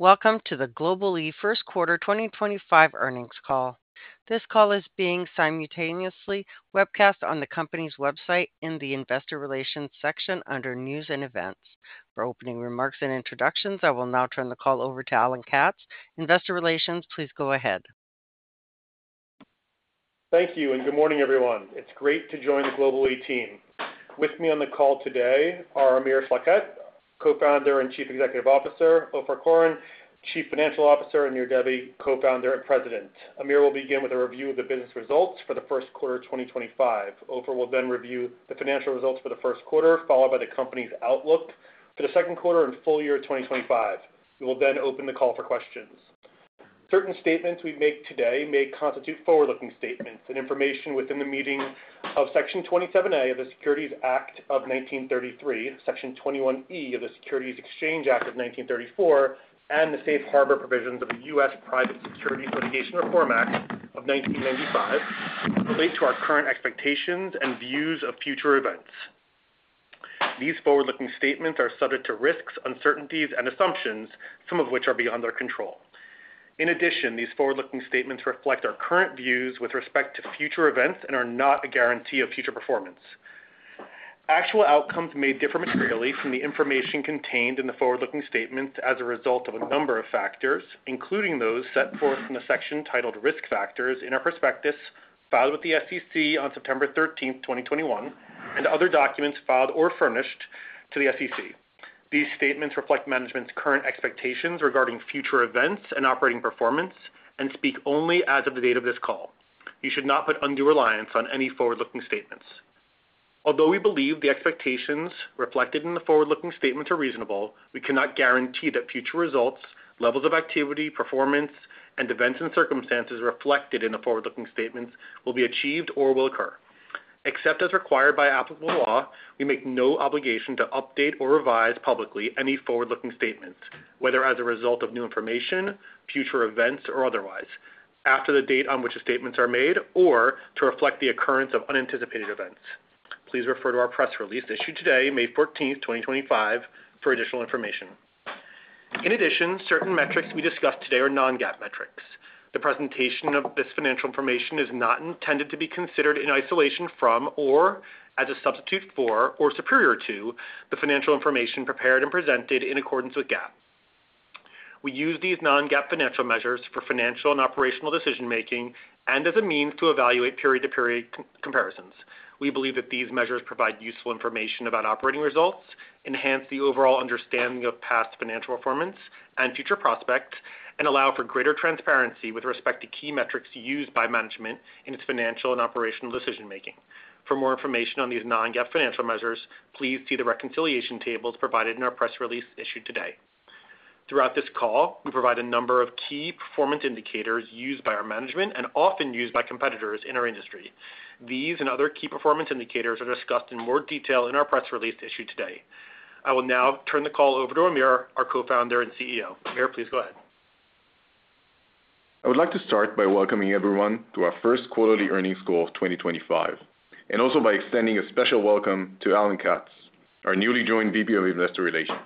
Welcome to the Global-E First Quarter 2025 earnings call. This call is being simultaneously webcast on the company's website in the Investor Relations section under News and Events. For opening remarks and introductions, I will now turn the call over to Alan Katz. Investor Relations, please go ahead. Thank you, and good morning, everyone. It's great to join the Global-E team. With me on the call today are Amir Schlachet, Co-founder and Chief Executive Officer Ofer Koren, Chief Financial Officer and Nir Debbi, Co-founder and President. Amir will begin with a review of the business results for the first quarter of 2025. Ofer will then review the financial results for the first quarter, followed by the company's outlook for the second quarter and full year 2025. We will then open the call for questions. Certain statements we make today may constitute forward-looking statements. The information within the meaning of Section 27A of the Securities Act of 1933, Section 21E of the Securities Exchange Act of 1934, and the Safe Harbor Provisions of the U.S. Private Securities Litigation Reform Act of 1995 relate to our current expectations and views of future events. These forward-looking statements are subject to risks, uncertainties, and assumptions, some of which are beyond our control. In addition, these forward-looking statements reflect our current views with respect to future events and are not a guarantee of future performance. Actual outcomes may differ materially from the information contained in the forward-looking statements as a result of a number of factors, including those set forth in the section titled Risk Factors in our prospectus filed with the SEC on September 13, 2021, and other documents filed or furnished to the SEC. These statements reflect management's current expectations regarding future events and operating performance and speak only as of the date of this call. You should not put undue reliance on any forward-looking statements. Although we believe the expectations reflected in the forward-looking statements are reasonable, we cannot guarantee that future results, levels of activity, performance, and events and circumstances reflected in the forward-looking statements will be achieved or will occur. Except as required by applicable law, we make no obligation to update or revise publicly any forward-looking statements, whether as a result of new information, future events, or otherwise, after the date on which the statements are made, or to reflect the occurrence of unanticipated events. Please refer to our press release issued today, May 14, 2025, for additional information. In addition, certain metrics we discussed today are non-GAAP metrics. The presentation of this financial information is not intended to be considered in isolation from, or as a substitute for, or superior to the financial information prepared and presented in accordance with GAAP. We use these non-GAAP financial measures for financial and operational decision-making and as a means to evaluate period-to-period comparisons. We believe that these measures provide useful information about operating results, enhance the overall understanding of past financial performance and future prospects, and allow for greater transparency with respect to key metrics used by management in its financial and operational decision-making. For more information on these non-GAAP financial measures, please see the reconciliation tables provided in our press release issued today. Throughout this call, we provide a number of key performance indicators used by our management and often used by competitors in our industry. These and other key performance indicators are discussed in more detail in our press release issued today. I will now turn the call over to Amir, our Co-founder and CEO. Amir, please go ahead. I would like to start by welcoming everyone to our first quarterly earnings call of 2025, and also by extending a special welcome to Alan Katz, our newly joined VP of Investor Relations.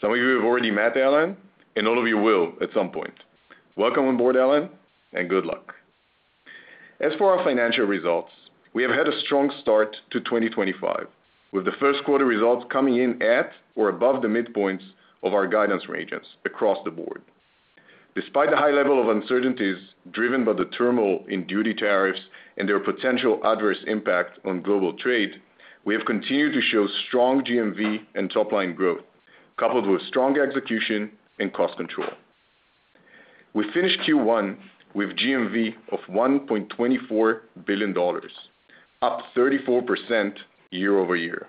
Some of you have already met Alan, and all of you will at some point. Welcome on board, Alan, and good luck. As for our financial results, we have had a strong start to 2025, with the first quarter results coming in at or above the midpoints of our guidance ranges across the board. Despite the high level of uncertainties driven by the turmoil in duty tariffs and their potential adverse impact on global trade, we have continued to show strong GMV and top-line growth, coupled with strong execution and cost control. We finished Q1 with GMV of $1.24 billion, up 34% year-over-year,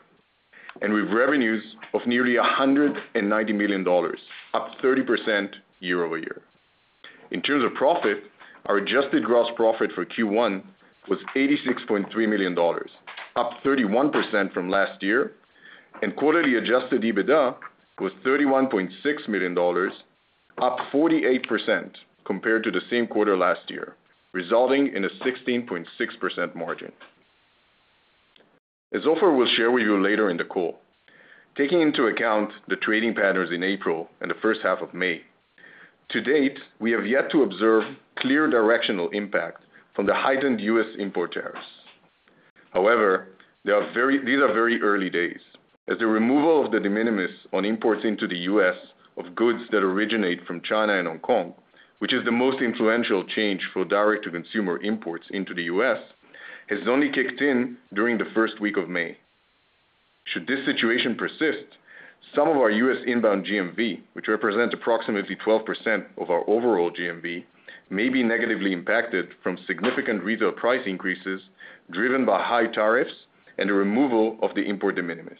and with revenues of nearly $190 million, up 30% year-over-year. In terms of profit, our adjusted gross profit for Q1 was $86.3 million, up 31% from last year, and quarterly adjusted EBITDA was $31.6 million, up 48% compared to the same quarter last year, resulting in a 16.6% margin. As Ofer will share with you later in the call, taking into account the trading patterns in April and the first half of May, to date, we have yet to observe clear directional impact from the heightened U.S. import tariffs. However, these are very early days, as the removal of the de minimis on imports into the U.S. of goods that originate from China and Hong Kong, which is the most influential change for direct-to-consumer imports into the U.S., has only kicked in during the first week of May. Should this situation persist, some of our U.S. Inbound GMV, which represents approximately 12% of our overall GMV, may be negatively impacted from significant retail price increases driven by high tariffs and the removal of the import de minimis.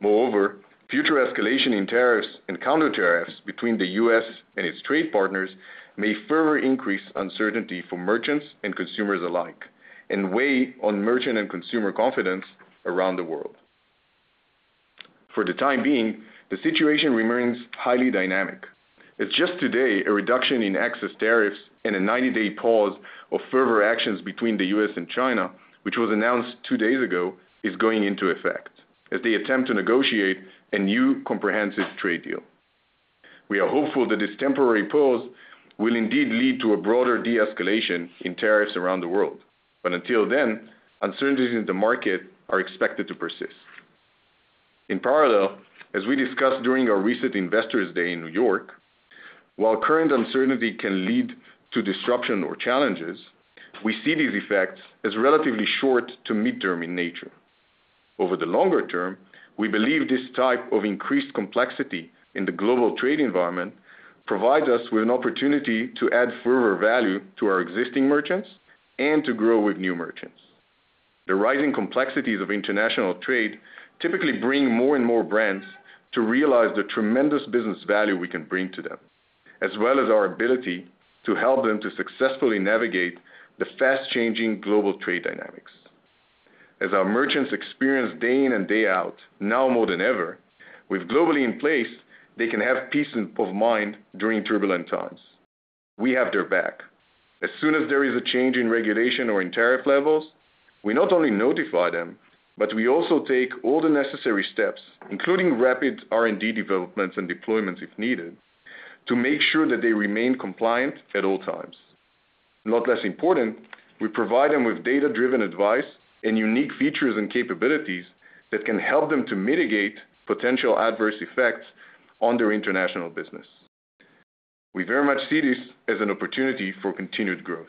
Moreover, future escalation in tariffs and counter-tariffs between the U.S. and its trade partners may further increase uncertainty for merchants and consumers alike and weigh on merchant and consumer confidence around the world. For the time being, the situation remains highly dynamic. As just today, a reduction in excess tariffs and a 90-day pause of further actions between the U.S. and China, which was announced two days ago, is going into effect as they attempt to negotiate a new comprehensive trade deal. We are hopeful that this temporary pause will indeed lead to a broader de-escalation in tariffs around the world, but until then, uncertainties in the market are expected to persist. In parallel, as we discussed during our recent Investor Day in New York, while current uncertainty can lead to disruption or challenges, we see these effects as relatively short to midterm in nature. Over the longer term, we believe this type of increased complexity in the global trade environment provides us with an opportunity to add further value to our existing merchants and to grow with new merchants. The rising complexities of international trade typically bring more and more brands to realize the tremendous business value we can bring to them, as well as our ability to help them to successfully navigate the fast-changing global trade dynamics. As our merchants experience day in and day out, now more than ever, with Global-E in place, they can have peace of mind during turbulent times. We have their back. As soon as there is a change in regulation or in tariff levels, we not only notify them, but we also take all the necessary steps, including rapid R&D developments and deployments if needed, to make sure that they remain compliant at all times. Not less important, we provide them with data-driven advice and unique features and capabilities that can help them to mitigate potential adverse effects on their international business. We very much see this as an opportunity for continued growth.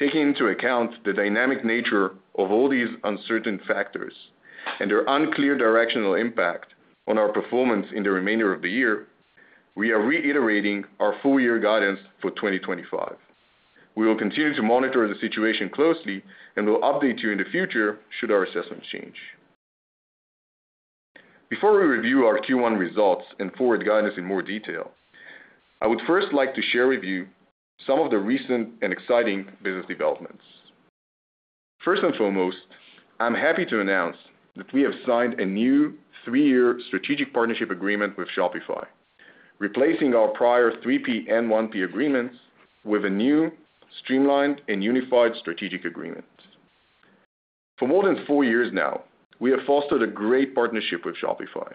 Taking into account the dynamic nature of all these uncertain factors and their unclear directional impact on our performance in the remainder of the year, we are reiterating our full-year guidance for 2025. We will continue to monitor the situation closely and will update you in the future should our assessments change. Before we review our Q1 results and forward guidance in more detail, I would first like to share with you some of the recent and exciting business developments. First and foremost, I'm happy to announce that we have signed a new three-year strategic partnership agreement with Shopify, replacing our prior 3P and 1P agreements with a new streamlined and unified strategic agreement. For more than four years now, we have fostered a great partnership with Shopify,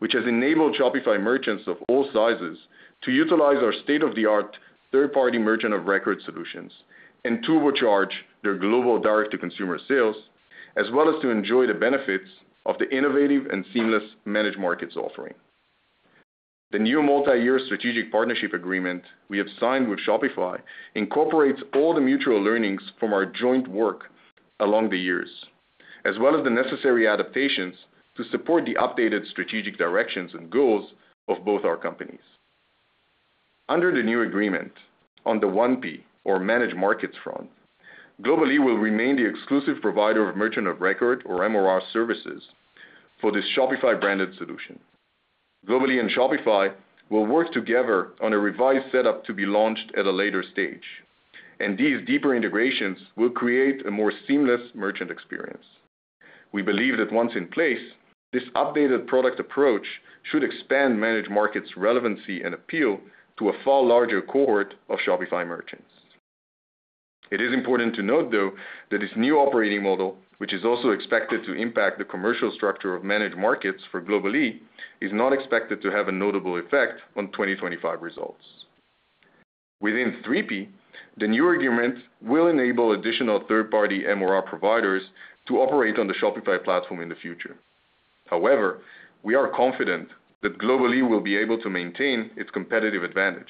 which has enabled Shopify merchants of all sizes to utilize our state-of-the-art third-party merchant-of-record solutions and turbocharge their global direct-to-consumer sales, as well as to enjoy the benefits of the innovative and seamless Managed Markets offering. The new multi-year strategic partnership agreement we have signed with Shopify incorporates all the mutual learnings from our joint work along the years, as well as the necessary adaptations to support the updated strategic directions and goals of both our companies. Under the new agreement on the 1P, or Managed Markets front, Global-E will remain the exclusive provider of merchant-of-record, or MRR, services for this Shopify-branded solution. Global-E and Shopify will work together on a revised setup to be launched at a later stage, and these deeper integrations will create a more seamless merchant experience. We believe that once in place, this updated product approach should expand Managed Markets' relevancy and appeal to a far larger cohort of Shopify merchants. It is important to note, though, that this new operating model, which is also expected to impact the commercial structure of Managed Markets for Global-E, is not expected to have a notable effect on 2025 results. Within 3P, the new agreement will enable additional third-party MRR providers to operate on the Shopify platform in the future. However, we are confident that Global-E will be able to maintain its competitive advantage,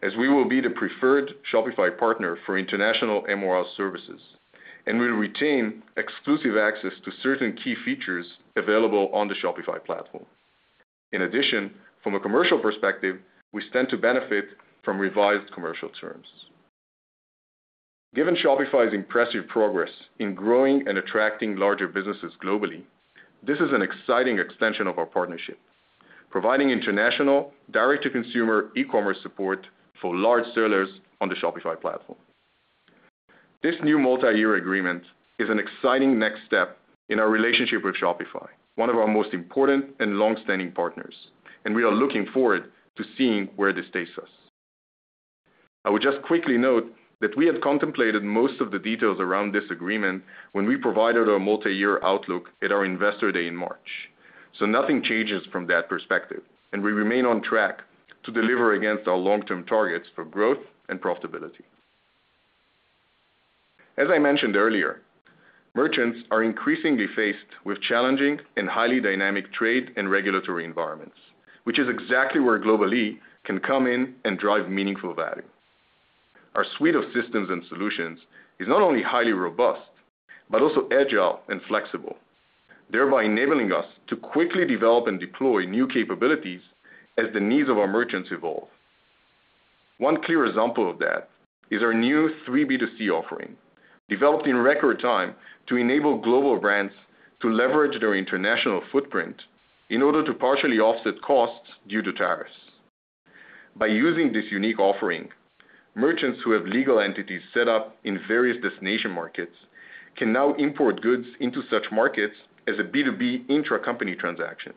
as we will be the preferred Shopify partner for international MRR services and will retain exclusive access to certain key features available on the Shopify platform. In addition, from a commercial perspective, we stand to benefit from revised commercial terms. Given Shopify's impressive progress in growing and attracting larger businesses globally, this is an exciting extension of our partnership, providing international direct-to-consumer e-commerce support for large sellers on the Shopify platform. This new multi-year agreement is an exciting next step in our relationship with Shopify, one of our most important and long-standing partners, and we are looking forward to seeing where this takes us. I would just quickly note that we had contemplated most of the details around this agreement when we provided our multi-year outlook at our Investor Day in March, so nothing changes from that perspective, and we remain on track to deliver against our long-term targets for growth and profitability. As I mentioned earlier, merchants are increasingly faced with challenging and highly dynamic trade and regulatory environments, which is exactly where Global-E can come in and drive meaningful value. Our suite of systems and solutions is not only highly robust, but also agile and flexible, thereby enabling us to quickly develop and deploy new capabilities as the needs of our merchants evolve. One clear example of that is our new 3B2C offering, developed in record time to enable global brands to leverage their international footprint in order to partially offset costs due to tariffs. By using this unique offering, merchants who have legal entities set up in various destination markets can now import goods into such markets as a B2B intra-company transaction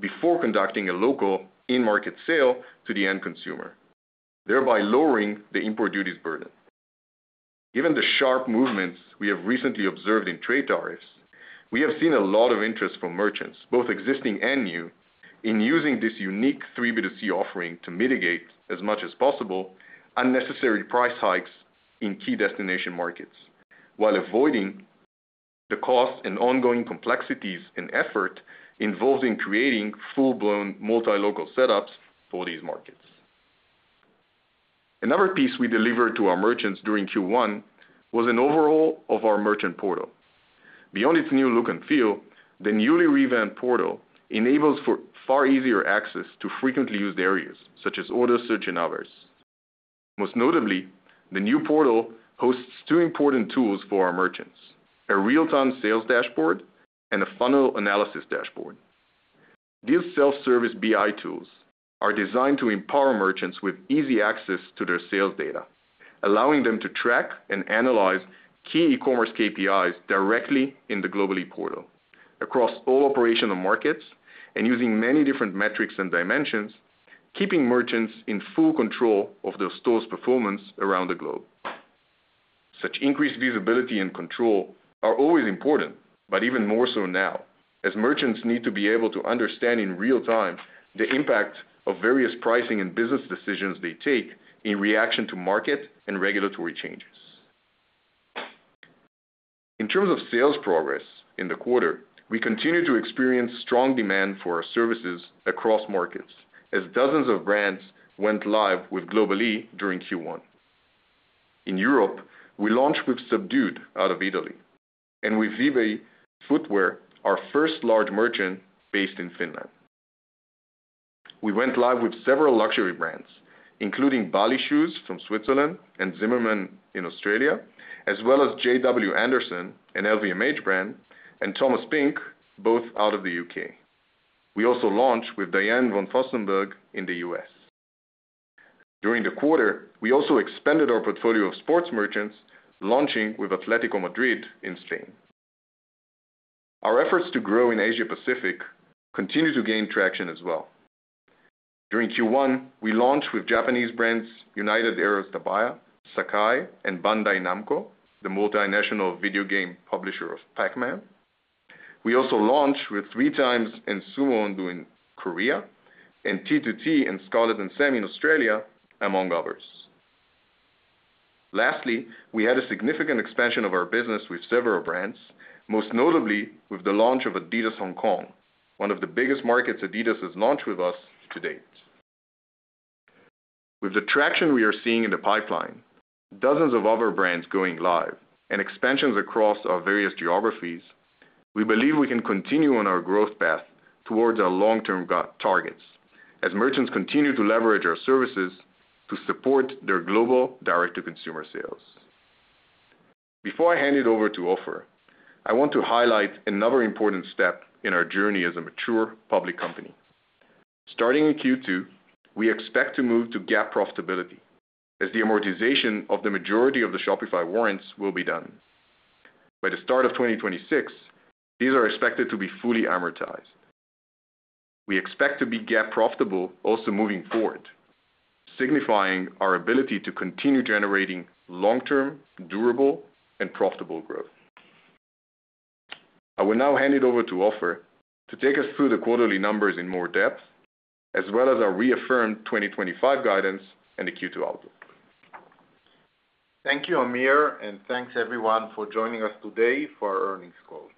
before conducting a local in-market sale to the end consumer, thereby lowering the import duties burden. Given the sharp movements we have recently observed in trade tariffs, we have seen a lot of interest from merchants, both existing and new, in using this unique 3B2C offering to mitigate, as much as possible, unnecessary price hikes in key destination markets, while avoiding the costs and ongoing complexities and effort involved in creating full-blown multi-local setups for these markets. Another piece we delivered to our merchants during Q1 was an overhaul of our merchant portal. Beyond its new look and feel, the newly revamped portal enables far easier access to frequently used areas, such as order search and others. Most notably, the new portal hosts two important tools for our merchants: a real-time sales dashboard and a funnel analysis dashboard. These self-service BI tools are designed to empower merchants with easy access to their sales data, allowing them to track and analyze key e-commerce KPIs directly in the Global-E portal across all operational markets and using many different metrics and dimensions, keeping merchants in full control of their store's performance around the globe. Such increased visibility and control are always important, but even more so now, as merchants need to be able to understand in real time the impact of various pricing and business decisions they take in reaction to market and regulatory changes. In terms of sales progress in the quarter, we continue to experience strong demand for our services across markets, as dozens of brands went live with Global-E during Q1. In Europe, we launched with Subdued out of Italy, and with Vibe Footwear, our first large merchant based in Finland. We went live with several luxury brands, including Bally shoes from Switzerland and Zimmermann in Australia, as well as J.W. Anderson, an LVMH brand, and Thomas Pink, both out of the U.K. We also launched with Diane von Furstenberg in the U.S. During the quarter, we also expanded our portfolio of sports merchants, launching with Atlético Madrid in Spain. Our efforts to grow in Asia-Pacific continue to gain traction as well. During Q1, we launched with Japanese brands United Arrows, Sakai, and Bandai Namco, the multinational video game publisher of Pac-Man. We also launched with 3x and SAMO ONDOH in Korea and T2T and Scarlet & Sam in Australia, among others. Lastly, we had a significant expansion of our business with several brands, most notably with the launch of Adidas Hong Kong, one of the biggest markets Adidas has launched with us to date. With the traction we are seeing in the pipeline, dozens of other brands going live, and expansions across our various geographies, we believe we can continue on our growth path towards our long-term targets, as merchants continue to leverage our services to support their global direct-to-consumer sales. Before I hand it over to Ofer, I want to highlight another important step in our journey as a mature public company. Starting in Q2, we expect to move to GAAP profitability, as the amortization of the majority of the Shopify warrants will be done. By the start of 2026, these are expected to be fully amortized. We expect to be GAAP profitable also moving forward, signifying our ability to continue generating long-term, durable, and profitable growth. I will now hand it over to Ofer to take us through the quarterly numbers in more depth, as well as our reaffirmed 2025 guidance and the Q2 outlook. Thank you, Amir, and thanks everyone for joining us today for our earnings call.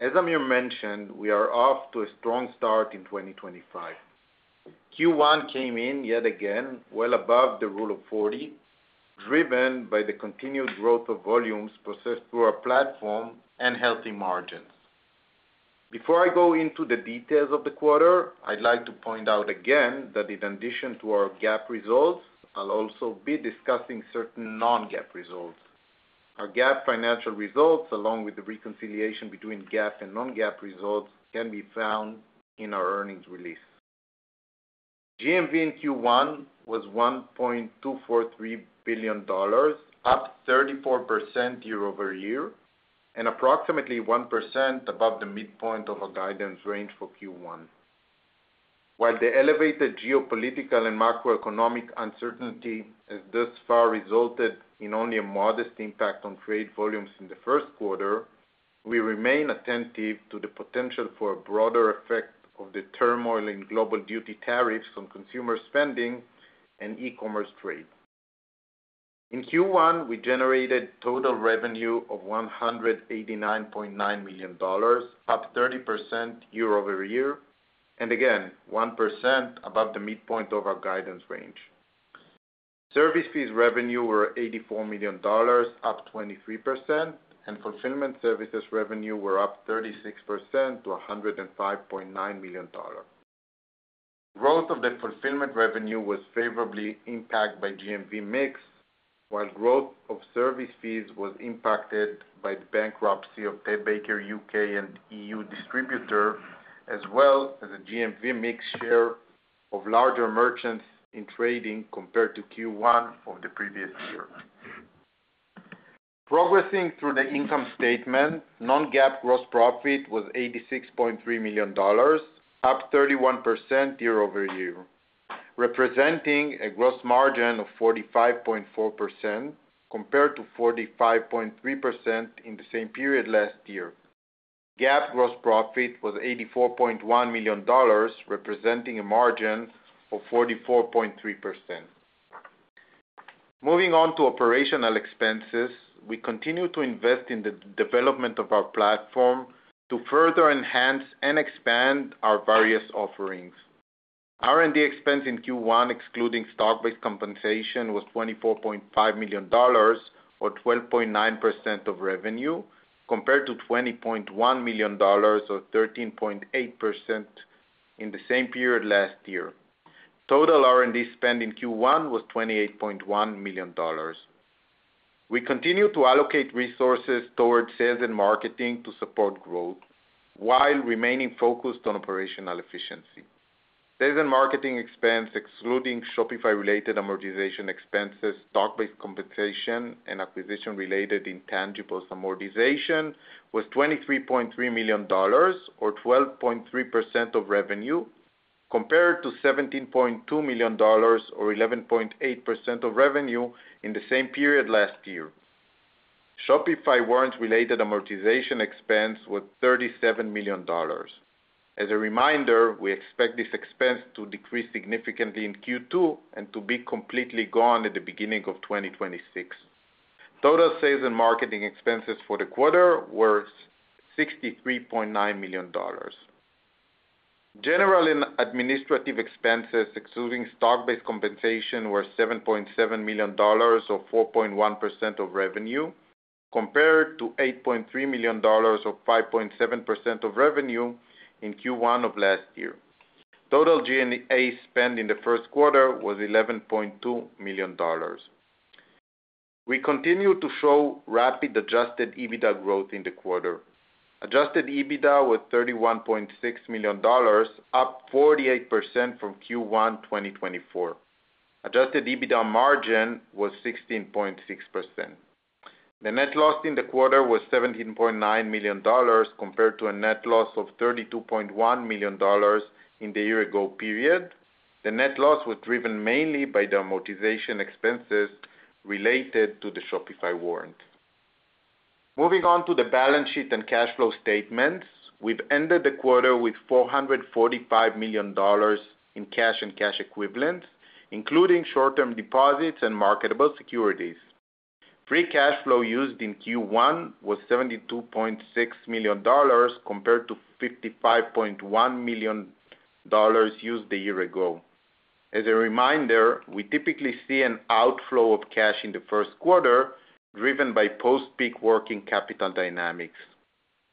As Amir mentioned, we are off to a strong start in 2025. Q1 came in yet again well above the rule of 40, driven by the continued growth of volumes processed through our platform and healthy margins. Before I go into the details of the quarter, I'd like to point out again that in addition to our GAAP results, I'll also be discussing certain non-GAAP results. Our GAAP financial results, along with the reconciliation between GAAP and non-GAAP results, can be found in our earnings release. GMV in Q1 was $1.243 billion, up 34% year-over-year, and approximately 1% above the midpoint of our guidance range for Q1. While the elevated geopolitical and macroeconomic uncertainty has thus far resulted in only a modest impact on trade volumes in the first quarter, we remain attentive to the potential for a broader effect of the turmoil in global duty tariffs on consumer spending and e-commerce trade. In Q1, we generated total revenue of $189.9 million, up 30% year-over-year, and again, 1% above the midpoint of our guidance range. Service fees revenue were $84 million, up 23%, and fulfillment services revenue were up 36% to $105.9 million. Growth of the fulfillment revenue was favorably impacted by GMV mix, while growth of service fees was impacted by the bankruptcy of Ted Baker U.K. and E.U. distributor, as well as a GMV mix share of larger merchants in trading compared to Q1 of the previous year. Progressing through the income statement, non-GAAP gross profit was $86.3 million, up 31% year-over-year, representing a gross margin of 45.4% compared to 45.3% in the same period last year. GAAP gross profit was $84.1 million, representing a margin of 44.3%. Moving on to operational expenses, we continue to invest in the development of our platform to further enhance and expand our various offerings. R&D expense in Q1, excluding stock-based compensation, was $24.5 million, or 12.9% of revenue, compared to $20.1 million, or 13.8% in the same period last year. Total R&D spend in Q1 was $28.1 million. We continue to allocate resources towards sales and marketing to support growth, while remaining focused on operational efficiency. Sales and marketing expense, excluding Shopify-related amortization expenses, stock-based compensation, and acquisition-related intangibles amortization, was $23.3 million, or 12.3% of revenue, compared to $17.2 million, or 11.8% of revenue in the same period last year. Shopify warrants-related amortization expense was $37 million. As a reminder, we expect this expense to decrease significantly in Q2 and to be completely gone at the beginning of 2026. Total sales and marketing expenses for the quarter were $63.9 million. General and administrative expenses, excluding stock-based compensation, were $7.7 million, or 4.1% of revenue, compared to $8.3 million, or 5.7% of revenue in Q1 of last year. Total G&A spend in the first quarter was $11.2 million. We continue to show rapid adjusted EBITDA growth in the quarter. Adjusted EBITDA was $31.6 million, up 48% from Q1 2024. Adjusted EBITDA margin was 16.6%. The net loss in the quarter was $17.9 million, compared to a net loss of $32.1 million in the year-ago period. The net loss was driven mainly by the amortization expenses related to the Shopify warrant. Moving on to the balance sheet and cash flow statements, we've ended the quarter with $445 million in cash and cash equivalents, including short-term deposits and marketable securities. Free cash flow used in Q1 was $72.6 million, compared to $55.1 million used the year ago. As a reminder, we typically see an outflow of cash in the first quarter, driven by post-peak working capital dynamics.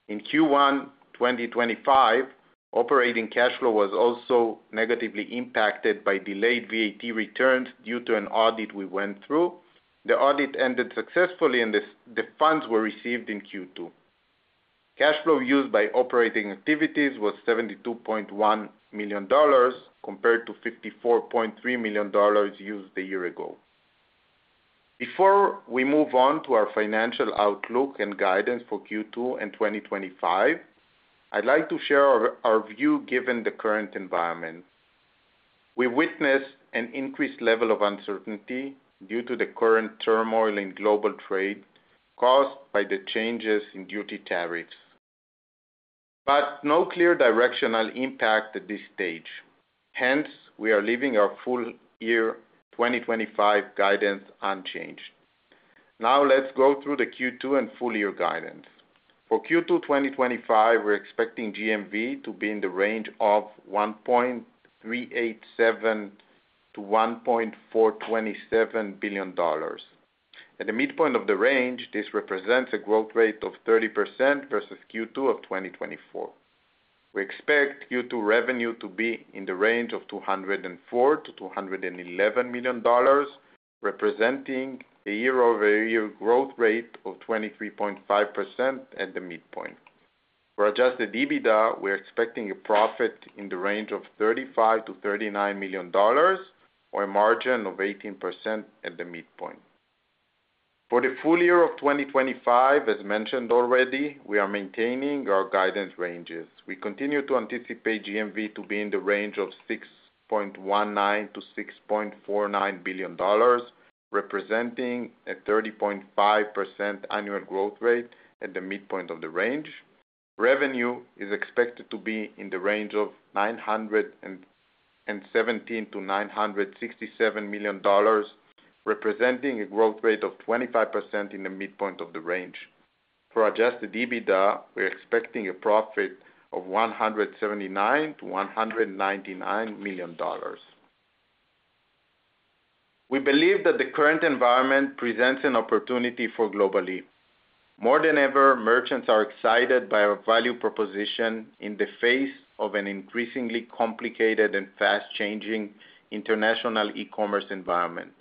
In Q1 2025, operating cash flow was also negatively impacted by delayed VAT returns due to an audit we went through. The audit ended successfully, and the funds were received in Q2. Cash flow used by operating activities was $72.1 million, compared to $54.3 million used the year ago. Before we move on to our financial outlook and guidance for Q2 and 2025, I'd like to share our view given the current environment. We witnessed an increased level of uncertainty due to the current turmoil in global trade caused by the changes in duty tariffs, but no clear directional impact at this stage. Hence, we are leaving our full-year 2025 guidance unchanged. Now, let's go through the Q2 and full-year guidance. For Q2 2025, we're expecting GMV to be in the range of $1.387 billion-$1.427 billion. At the midpoint of the range, this represents a growth rate of 30% versus Q2 of 2024. We expect Q2 revenue to be in the range of $204 million-$211 million, representing a year-over-year growth rate of 23.5% at the midpoint. For adjusted EBITDA, we're expecting a profit in the range of $35 million-$39 million, or a margin of 18% at the midpoint. For the full year of 2025, as mentioned already, we are maintaining our guidance ranges. We continue to anticipate GMV to be in the range of $6.19 billion-$6.49 billion, representing a 30.5% annual growth rate at the midpoint of the range. Revenue is expected to be in the range of $917 million-$967 million, representing a growth rate of 25% in the midpoint of the range. For adjusted EBITDA, we're expecting a profit of $179 million-$199 million. We believe that the current environment presents an opportunity for Global-E. More than ever, merchants are excited by our value proposition in the face of an increasingly complicated and fast-changing international e-commerce environment.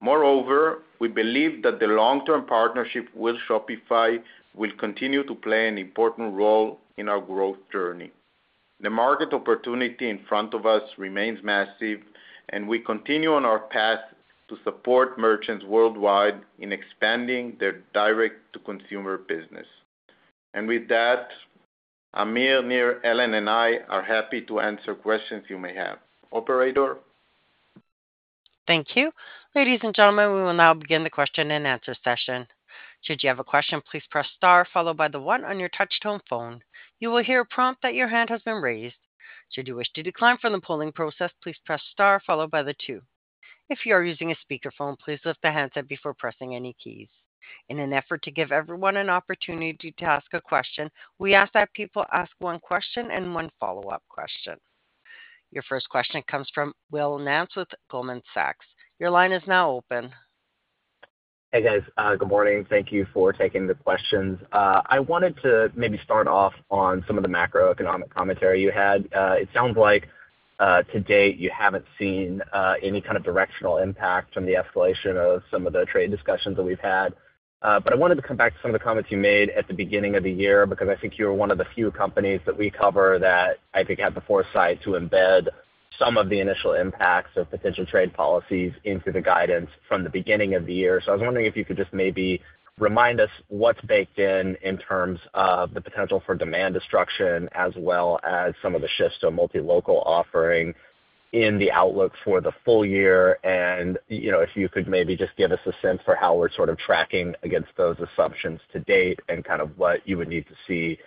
Moreover, we believe that the long-term partnership with Shopify will continue to play an important role in our growth journey. The market opportunity in front of us remains massive, and we continue on our path to support merchants worldwide in expanding their direct-to-consumer business. With that, Amir, Nir, Alan, and I are happy to answer questions you may have. Operator. Thank you. Ladies and gentlemen, we will now begin the question and answer session. Should you have a question, please press star, followed by the one on your touch-tone phone. You will hear a prompt that your hand has been raised. Should you wish to decline from the polling process, please press star, followed by the two. If you are using a speakerphone, please lift the handset before pressing any keys. In an effort to give everyone an opportunity to ask a question, we ask that people ask one question and one follow-up question. Your first question comes from Will Nance with Goldman Sachs. Your line is now open. Hey, guys. Good morning. Thank you for taking the questions. I wanted to maybe start off on some of the macroeconomic commentary you had. It sounds like to date you haven't seen any kind of directional impact from the escalation of some of the trade discussions that we've had. I wanted to come back to some of the comments you made at the beginning of the year because I think you were one of the few companies that we cover that I think had the foresight to embed some of the initial impacts of potential trade policies into the guidance from the beginning of the year. I was wondering if you could just maybe remind us what's baked in in terms of the potential for demand destruction, as well as some of the shifts to a multi-local offering in the outlook for the full year. If you could maybe just give us a sense for how we're sort of tracking against those assumptions to date and kind of what you would need to see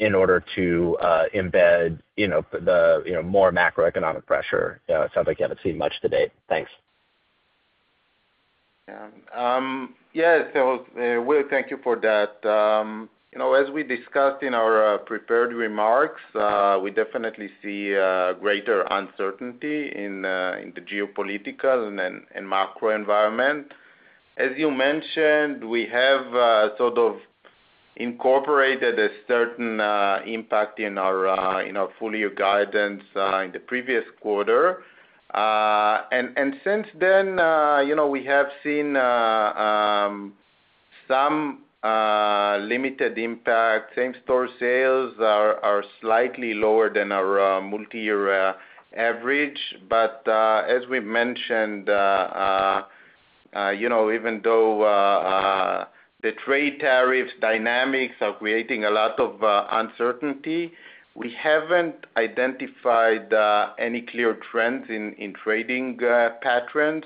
in order to embed the more macroeconomic pressure. It sounds like you haven't seen much to date. Thanks. Yeah. Will, thank you for that. As we discussed in our prepared remarks, we definitely see greater uncertainty in the geopolitical and macro environment. As you mentioned, we have sort of incorporated a certain impact in our full-year guidance in the previous quarter. Since then, we have seen some limited impact. Same-store sales are slightly lower than our multi-year average. As we mentioned, even though the trade tariffs dynamics are creating a lot of uncertainty, we have not identified any clear trends in trading patterns.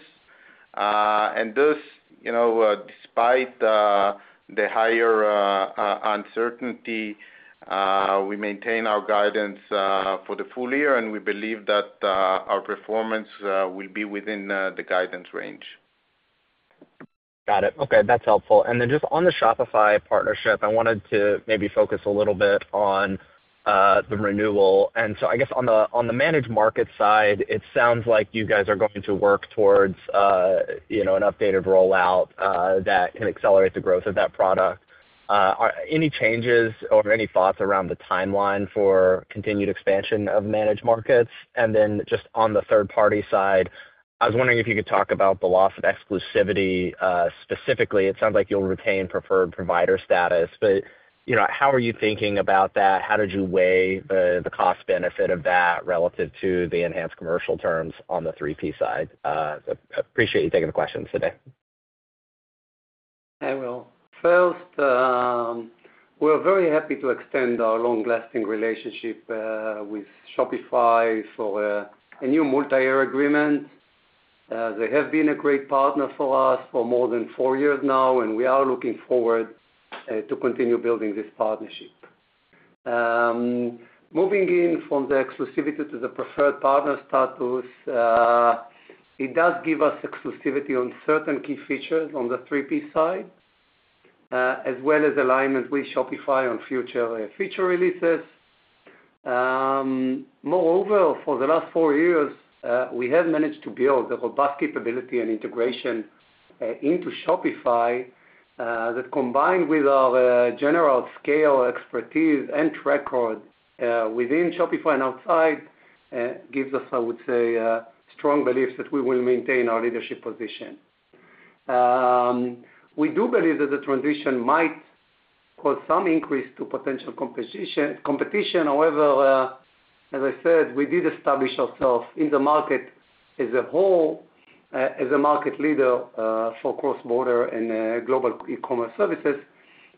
Thus, despite the higher uncertainty, we maintain our guidance for the full year, and we believe that our performance will be within the guidance range. Got it. Okay. That is helpful. Just on the Shopify partnership, I wanted to maybe focus a little bit on the renewal. I guess on the managed market side, it sounds like you guys are going to work towards an updated rollout that can accelerate the growth of that product. Any changes or any thoughts around the timeline for continued expansion of managed markets? Just on the third-party side, I was wondering if you could talk about the loss of exclusivity. Specifically, it sounds like you'll retain preferred provider status. How are you thinking about that? How did you weigh the cost-benefit of that relative to the enhanced commercial terms on the 3P side? Appreciate you taking the questions today. Hi, Will. First, we're very happy to extend our long-lasting relationship with Shopify for a new multi-year agreement. They have been a great partner for us for more than four years now, and we are looking forward to continuing building this partnership. Moving in from the exclusivity to the preferred partner status, it does give us exclusivity on certain key features on the 3P side, as well as alignment with Shopify on future feature releases. Moreover, for the last four years, we have managed to build a robust capability and integration into Shopify that, combined with our general scale expertise and track record within Shopify and outside, gives us, I would say, strong beliefs that we will maintain our leadership position. We do believe that the transition might cause some increase to potential competition. However, as I said, we did establish ourselves in the market as a whole, as a market leader for cross-border and global e-commerce services,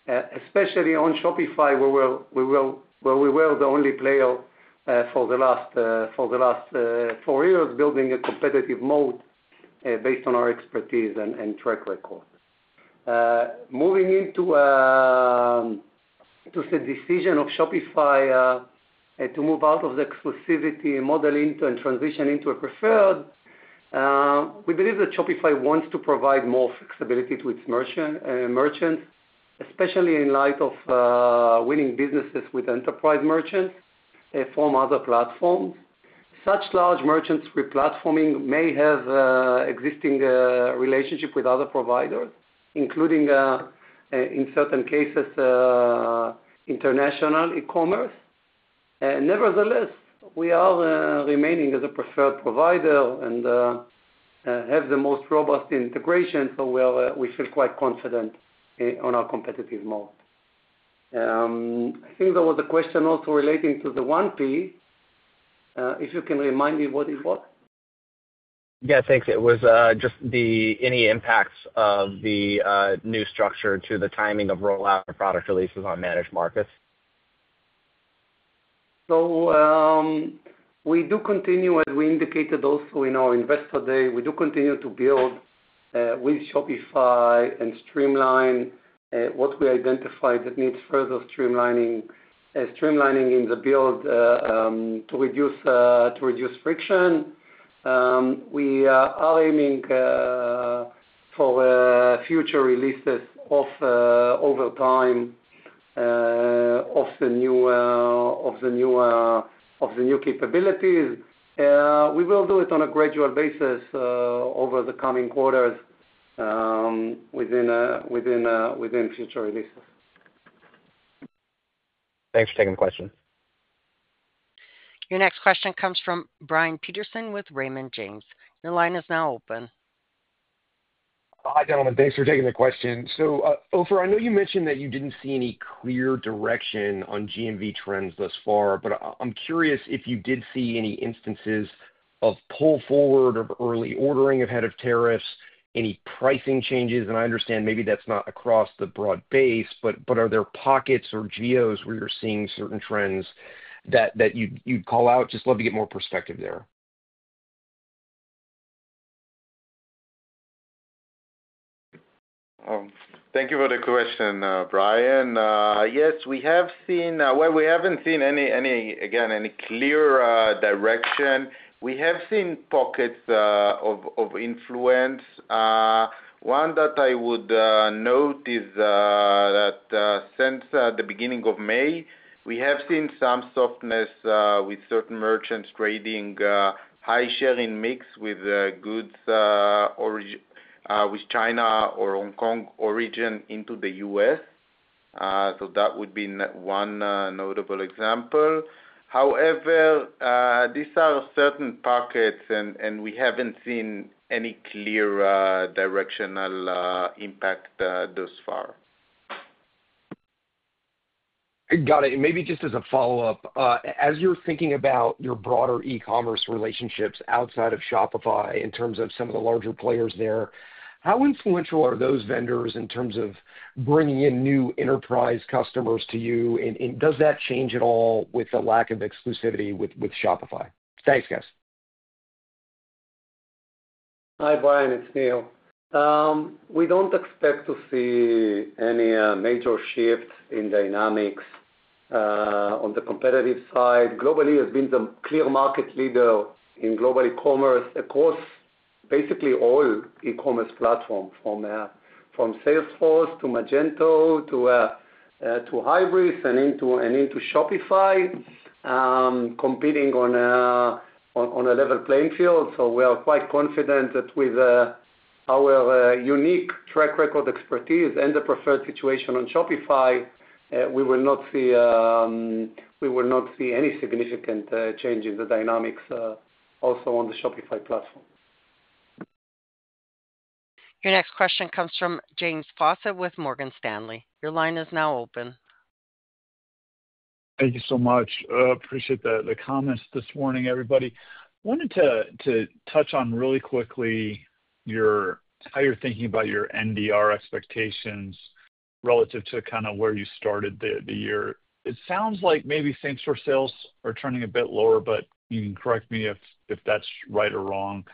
especially on Shopify, where we were the only player for the last four years, building a competitive moat based on our expertise and track record. Moving into the decision of Shopify to move out of the exclusivity model and transition into a preferred, we believe that Shopify wants to provide more flexibility to its merchants, especially in light of winning businesses with enterprise merchants from other platforms. Such large merchants replatforming may have existing relationships with other providers, including, in certain cases, international e-commerce. Nevertheless, we are remaining as a preferred provider and have the most robust integration, so we feel quite confident on our competitive moat. I think there was a question also relating to the 1P. If you can remind me what it was. Yeah. Thanks. It was just the any impacts of the new structure to the timing of rollout of product releases on managed markets. We do continue, as we indicated also in our Investor Day, we do continue to build with Shopify and streamline what we identified that needs further streamlining in the build to reduce friction. We are aiming for future releases over time of the new capabilities. We will do it on a gradual basis over the coming quarters within future releases. Thanks for taking the question. Your next question comes from Brian Peterson with Raymond James. Your line is now open. Hi, gentlemen. Thanks for taking the question. Ofer, I know you mentioned that you did not see any clear direction on GMV trends thus far, but I am curious if you did see any instances of pull forward of early ordering ahead of tariffs, any pricing changes. I understand maybe that's not across the broad base, but are there pockets or geos where you're seeing certain trends that you'd call out? Just love to get more perspective there. Thank you for the question, Brian. Yes, we have seen, we haven't seen, again, any clear direction. We have seen pockets of influence. One that I would note is that since the beginning of May, we have seen some softness with certain merchants trading high-sharing mix with goods with China or Hong Kong origin into the U.S.. That would be one notable example. However, these are certain pockets, and we haven't seen any clear directional impact thus far. Got it. Maybe just as a follow-up, as you're thinking about your broader e-commerce relationships outside of Shopify in terms of some of the larger players there, how influential are those vendors in terms of bringing in new enterprise customers to you? Does that change at all with the lack of exclusivity with Shopify? Thanks, guys. Hi, Brian. It's Nir. We don't expect to see any major shifts in dynamics on the competitive side. Global-E has been the clear market leader in global e-commerce across basically all e-commerce platforms, from Salesforce to Magento to Hybris and into Shopify, competing on a level playing field. We are quite confident that with our unique track record, expertise, and the preferred situation on Shopify, we will not see any significant change in the dynamics also on the Shopify platform. Your next question comes from James Fossa with Morgan Stanley. Your line is now open. Thank you so much. Appreciate the comments this morning, everybody. I wanted to touch on really quickly how you're thinking about your NDR expectations relative to kind of where you started the year. It sounds like maybe same-store sales are turning a bit lower, but you can correct me if that's right or wrong.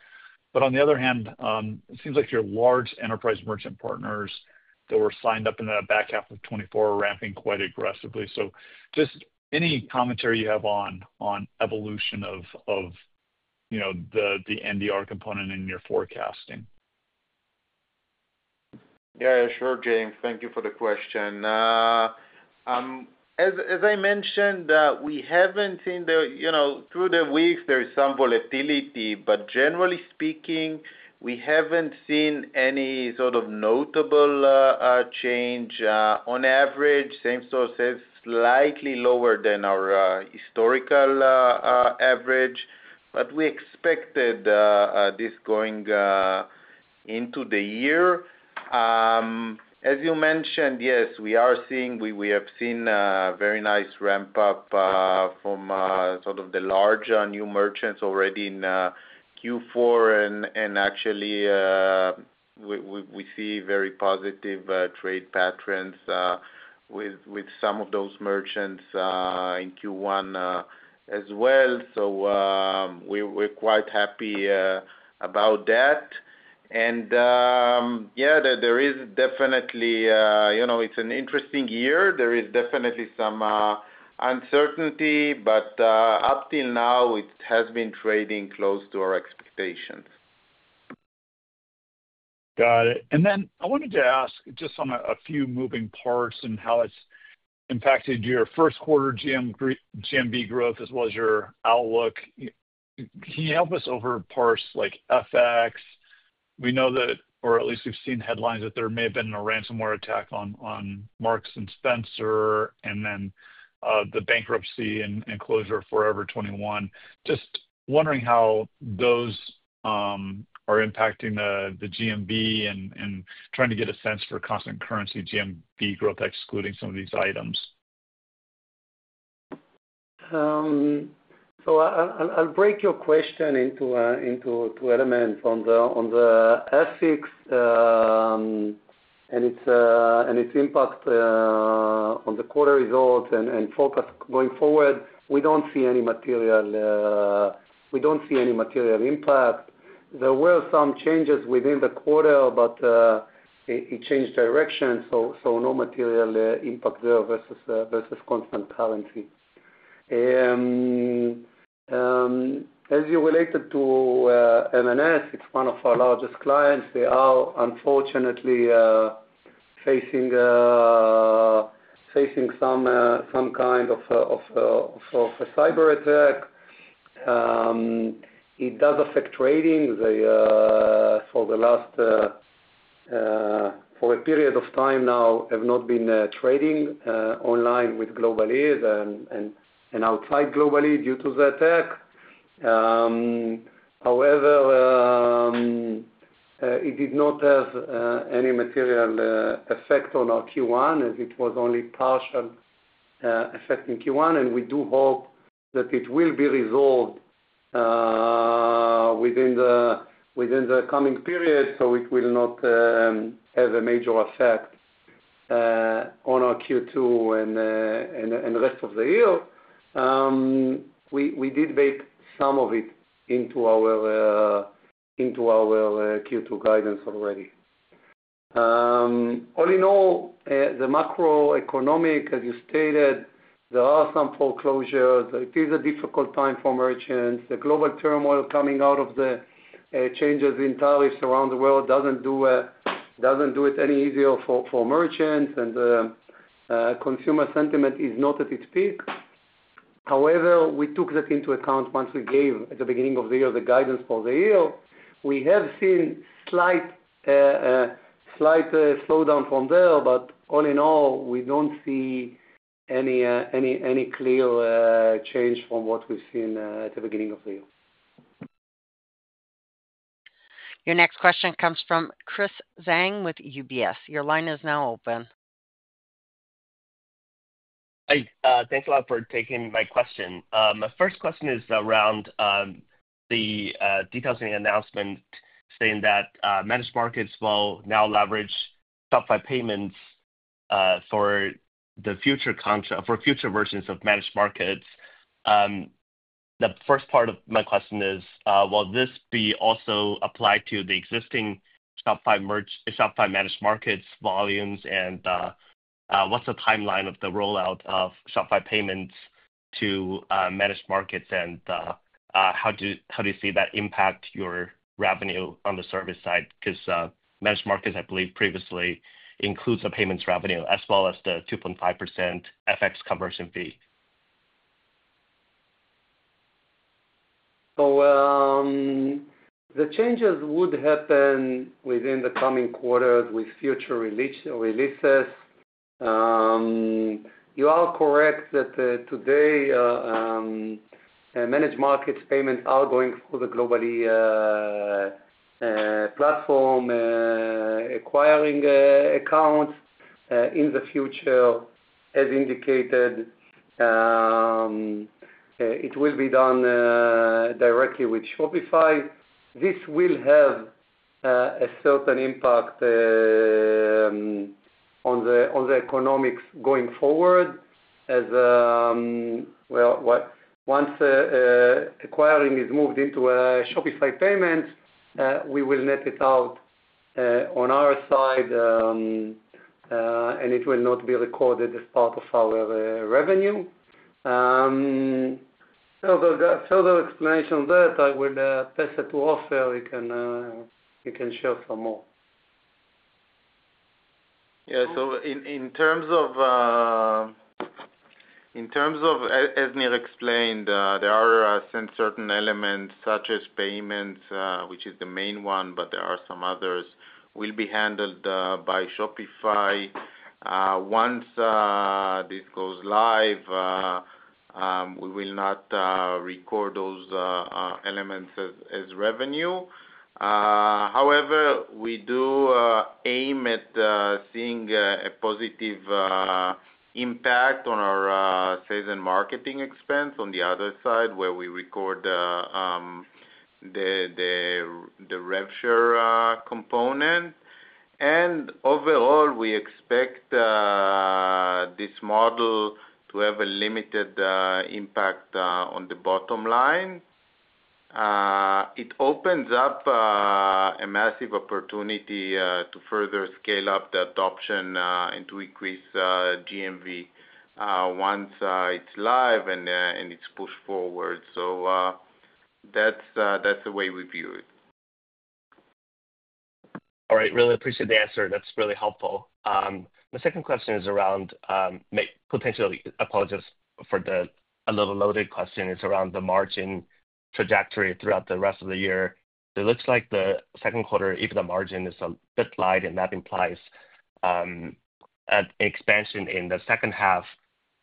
On the other hand, it seems like your large enterprise merchant partners that were signed up in the back half of 2024 are ramping quite aggressively. Just any commentary you have on evolution of the NDR component in your forecasting? Yeah. Sure, James. Thank you for the question. As I mentioned, we haven't seen through the weeks, there is some volatility, but generally speaking, we haven't seen any sort of notable change. On average, same-store sales is slightly lower than our historical average, but we expected this going into the year. As you mentioned, yes, we have seen a very nice ramp-up from sort of the larger new merchants already in Q4. Actually, we see very positive trade patterns with some of those merchants in Q1 as well. We are quite happy about that. Yeah, there is definitely it's an interesting year. There is definitely some uncertainty, but up till now, it has been trading close to our expectations. Got it. I wanted to ask just on a few moving parts and how it's impacted your first-quarter GMV growth as well as your outlook. Can you help us overpass FX? We know that, or at least we've seen headlines that there may have been a ransomware attack on Marks & Spencer and then the bankruptcy and closure of Forever 21. Just wondering how those are impacting the GMV and trying to get a sense for constant currency GMV growth, excluding some of these items. I'll break your question into two elements. On the ethics and its impact on the quarter results and focus going forward, we don't see any material impact. There were some changes within the quarter, but it changed direction. No material impact there versus constant currency. As you related to M&S, it's one of our largest clients. They are, unfortunately, facing some kind of a cyber attack. It does affect trading. For the last period of time now, I've not been trading online with Global-E and outside Global-E due to the attack. However, it did not have any material effect on our Q1, as it was only partial affecting Q1. We do hope that it will be resolved within the coming period, so it will not have a major effect on our Q2 and rest of the year. We did bake some of it into our Q2 guidance already. All in all, the macroeconomic, as you stated, there are some foreclosures. It is a difficult time for merchants. The global turmoil coming out of the changes in tariffs around the world does not do it any easier for merchants, and consumer sentiment is not at its peak. However, we took that into account once we gave, at the beginning of the year, the guidance for the year. We have seen a slight slowdown from there, but all in all, we don't see any clear change from what we've seen at the beginning of the year. Your next question comes from Chris Zhang with UBS. Your line is now open. Hi. Thanks a lot for taking my question. My first question is around the details in the announcement saying that Managed Markets will now leverage Shopify Payments for future versions of Managed Markets. The first part of my question is, will this be also applied to the existing Shopify Managed Markets volumes, and what's the timeline of the rollout of Shopify Payments to Managed Markets, and how do you see that impact your revenue on the service side? Because Managed Markets, I believe, previously includes the payments revenue as well as the 2.5% FX conversion fee. The changes would happen within the coming quarters with future releases. You are correct that today, Managed Markets payments are going through the Global-E platform, acquiring accounts in the future, as indicated. It will be done directly with Shopify. This will have a certain impact on the economics going forward. Once acquiring is moved into Shopify Payments, we will net it out on our side, and it will not be recorded as part of our revenue. Further explanation on that, I will pass it to Ofer. He can share some more. Yeah. So in terms of, as Nir explained, there are certain elements such as payments, which is the main one, but there are some others that will be handled by Shopify. Once this goes live, we will not record those elements as revenue. However, we do aim at seeing a positive impact on our sales and marketing expense on the other side, where we record the rev share component. Overall, we expect this model to have a limited impact on the bottom line. It opens up a massive opportunity to further scale up the adoption and to increase GMV once it's live and it's pushed forward. That's the way we view it. All right. Really appreciate the answer. That's really helpful. My second question is around potential—apologies for the a little loaded question—is around the margin trajectory throughout the rest of the year. It looks like the second quarter, EBITDA margin is a bit light, and that implies an expansion in the second half,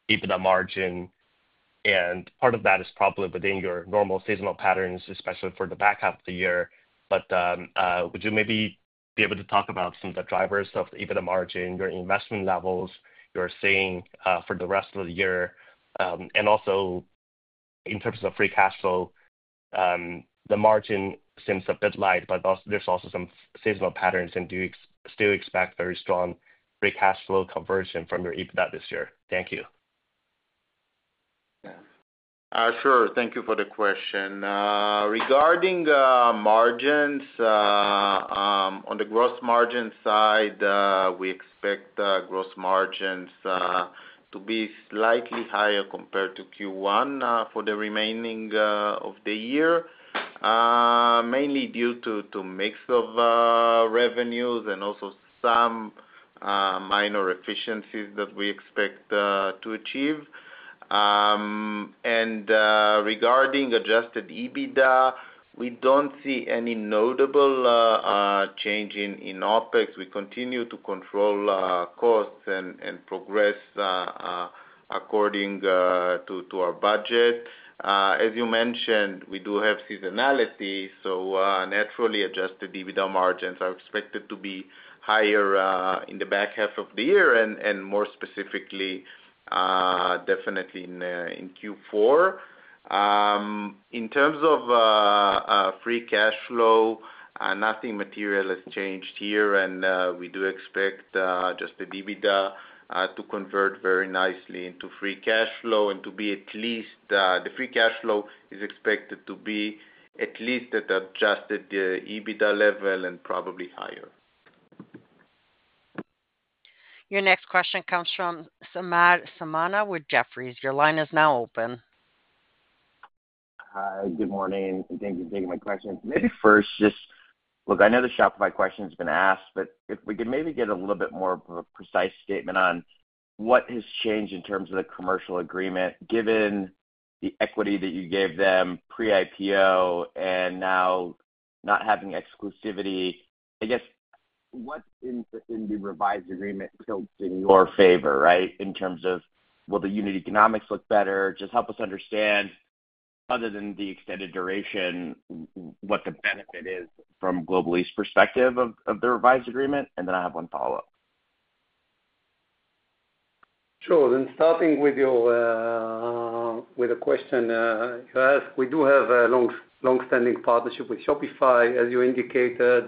EBITDA margin. Part of that is probably within your normal seasonal patterns, especially for the back half of the year. Would you maybe be able to talk about some of the drivers of the EBITDA margin, your investment levels you're seeing for the rest of the year? Also, in terms of free cash flow, the margin seems a bit light, but there are also some seasonal patterns and you still expect very strong free cash flow conversion from your EBITDA this year. Thank you. Sure. Thank you for the question. Regarding margins, on the gross margin side, we expect gross margins to be slightly higher compared to Q1 for the remainder of the year, mainly due to mix of revenues and also some minor efficiencies that we expect to achieve. Regarding adjusted EBITDA, we do not see any notable change in OpEx. We continue to control costs and progress according to our budget. As you mentioned, we do have seasonality, so naturally, adjusted EBITDA margins are expected to be higher in the back half of the year and more specifically, definitely in Q4. In terms of free cash flow, nothing material has changed here, and we do expect just the EBITDA to convert very nicely into free cash flow and to be at least the free cash flow is expected to be at least at adjusted EBITDA level and probably higher. Your next question comes from Samad Samana with Jeffries. Your line is now open. Hi. Good morning. Thank you for taking my question. Maybe first, just look, I know the Shopify question has been asked, but if we could maybe get a little bit more of a precise statement on what has changed in terms of the commercial agreement, given the equity that you gave them pre-IPO and now not having exclusivity. I guess, what in the revised agreement tilts in your favor, right, in terms of will the unit economics look better? Just help us understand, other than the extended duration, what the benefit is from Global-E's perspective of the revised agreement. I have one follow-up. Sure. Starting with the question you asked, we do have a long-standing partnership with Shopify. As you indicated,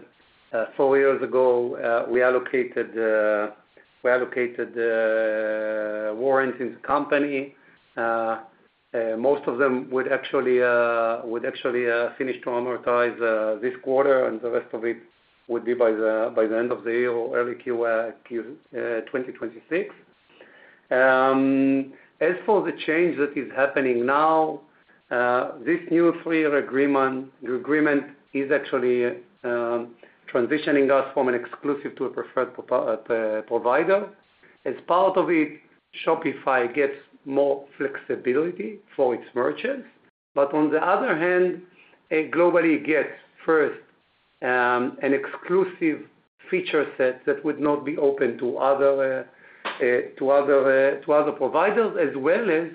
four years ago, we allocated warrants in the company. Most of them would actually finish to amortize this quarter, and the rest of it would be by the end of the year or early Q1 2026. As for the change that is happening now, this new three-year agreement is actually transitioning us from an exclusive to a preferred provider. As part of it, Shopify gets more flexibility for its merchants. On the other hand, Global-E gets first an exclusive feature set that would not be open to other providers, as well as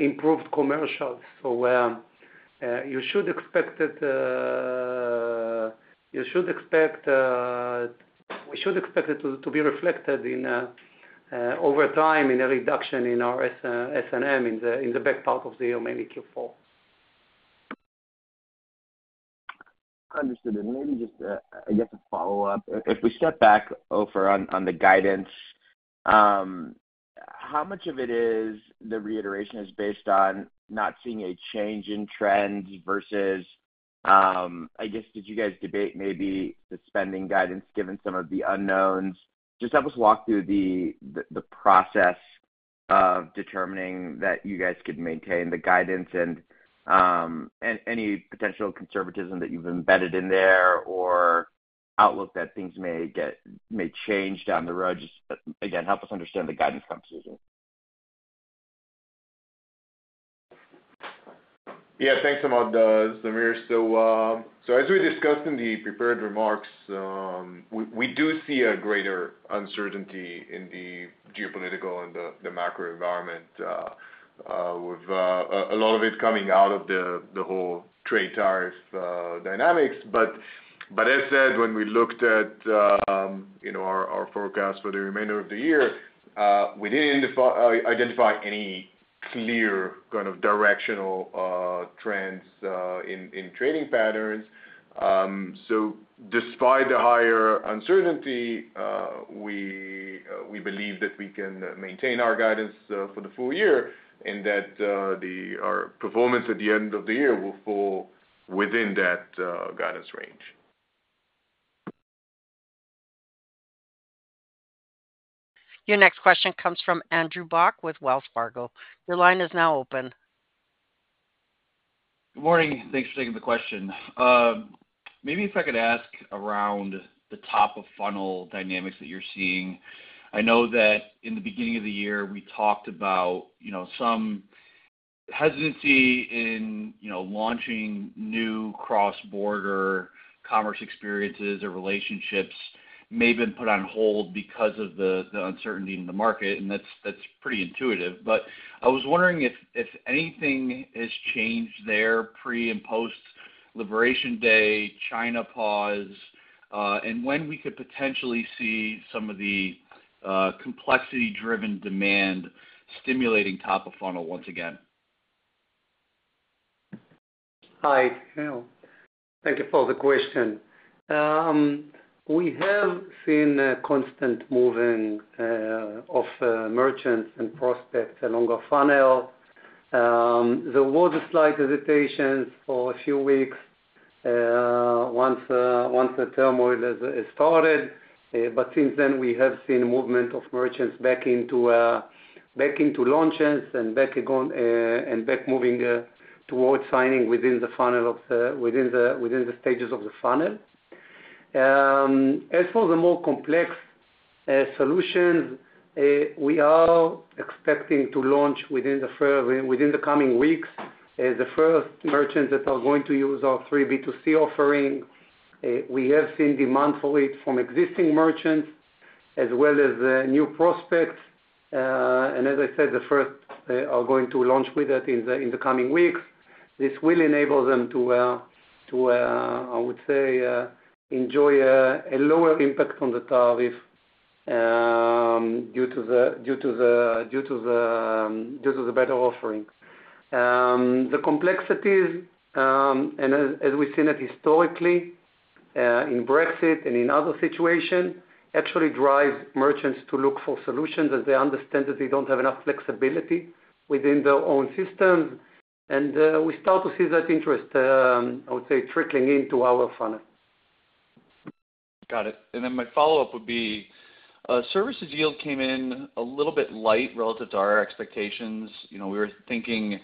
improved commercials. You should expect it—we should expect it to be reflected over time in a reduction in our S&M in the back part of the year, mainly Q4. Understood. Maybe just, I guess, a follow-up. If we step back over on the guidance, how much of it is the reiteration is based on not seeing a change in trends versus, I guess, did you guys debate maybe the spending guidance given some of the unknowns? Just help us walk through the process of determining that you guys could maintain the guidance and any potential conservatism that you've embedded in there or outlook that things may change down the road. Just, again, help us understand the guidance conversation. Yeah. Thanks a lot, Samad. As we discussed in the prepared remarks, we do see a greater uncertainty in the geopolitical and the macro environment, with a lot of it coming out of the whole trade tariff dynamics. As said, when we looked at our forecast for the remainder of the year, we did not identify any clear kind of directional trends in trading patterns. Despite the higher uncertainty, we believe that we can maintain our guidance for the full year and that our performance at the end of the year will fall within that guidance range. Your next question comes from Andrew Bauch with Wells Fargo. Your line is now open. Good morning. Thanks for taking the question. Maybe if I could ask around the top-of-funnel dynamics that you are seeing. I know that in the beginning of the year, we talked about some hesitancy in launching new cross-border commerce experiences or relationships may have been put on hold because of the uncertainty in the market. That is pretty intuitive. I was wondering if anything has changed there pre and post-Liberation Day, China pause, and when we could potentially see some of the complexity-driven demand stimulating top-of-funnel once again. Hi. Hello. Thank you for the question. We have seen a constant moving of merchants and prospects along a funnel. There was a slight hesitation for a few weeks once the turmoil started. Since then, we have seen movement of merchants back into launches and back moving towards signing within the stages of the funnel. As for the more complex solutions, we are expecting to launch within the coming weeks the first merchants that are going to use our 3B2C offering. We have seen demand for it from existing merchants as well as new prospects. As I said, the first are going to launch with that in the coming weeks. This will enable them to, I would say, enjoy a lower impact on the tariff due to the better offering. The complexities, and as we've seen it historically in Brexit and in other situations, actually drive merchants to look for solutions as they understand that they don't have enough flexibility within their own systems. We start to see that interest, I would say, trickling into our funnel. Got it. My follow-up would be services yield came in a little bit light relative to our expectations. We were thinking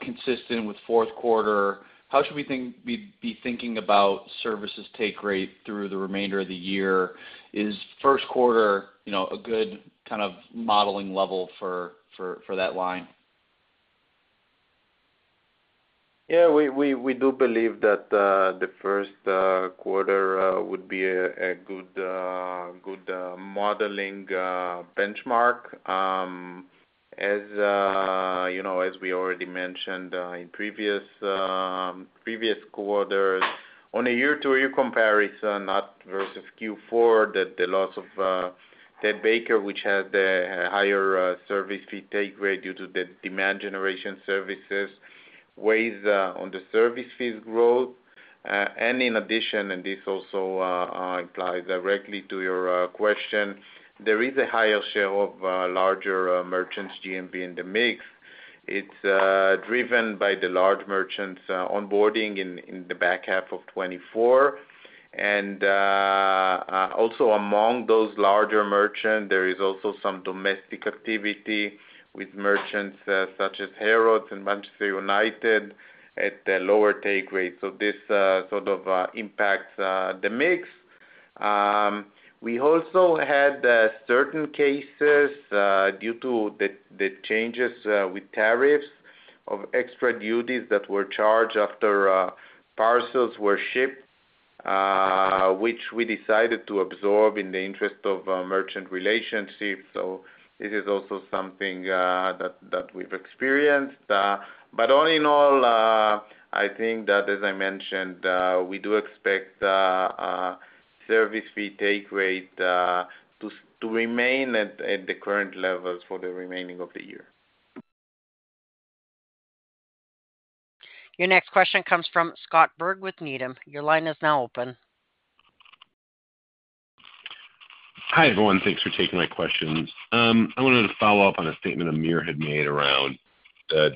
consistent with fourth quarter. How should we be thinking about services take rate through the remainder of the year? Is first quarter a good kind of modeling level for that line? Yeah. We do believe that the first quarter would be a good modeling benchmark. As we already mentioned in previous quarters, on a year-to-year comparison versus Q4, the loss of Ted Baker, which has the higher service fee take rate due to the demand generation services, weighs on the service fees growth. In addition, and this also applies directly to your question, there is a higher share of larger merchants GMV in the mix. It is driven by the large merchants onboarding in the back half of 2024. Also, among those larger merchants, there is also some domestic activity with merchants such as Harrods and Manchester United at the lower take rate. This sort of impacts the mix. We also had certain cases due to the changes with tariffs of extra duties that were charged after parcels were shipped, which we decided to absorb in the interest of merchant relationships. This is also something that we've experienced. All in all, I think that, as I mentioned, we do expect service fee take rate to remain at the current levels for the remaining of the year. Your next question comes from Scott Berg with Needham. Your line is now open. Hi everyone. Thanks for taking my questions. I wanted to follow up on a statement Amir had made around the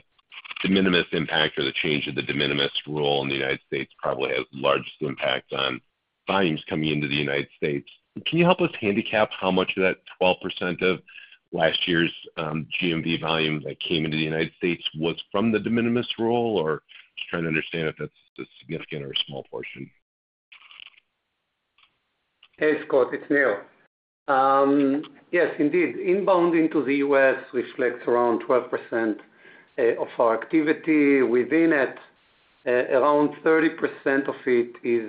de minimis impact or the change of the de minimis rule in the United States probably has the largest impact on volumes coming into the United States. Can you help us handicap how much of that 12% of last year's GMV volume that came into the United States. was from the de minimis rule, or just trying to understand if that's a significant or a small portion? Hey, Scott. It's Nir. Yes, indeed. Inbound into the U.S. reflects around 12% of our activity. Within it, around 30% of it is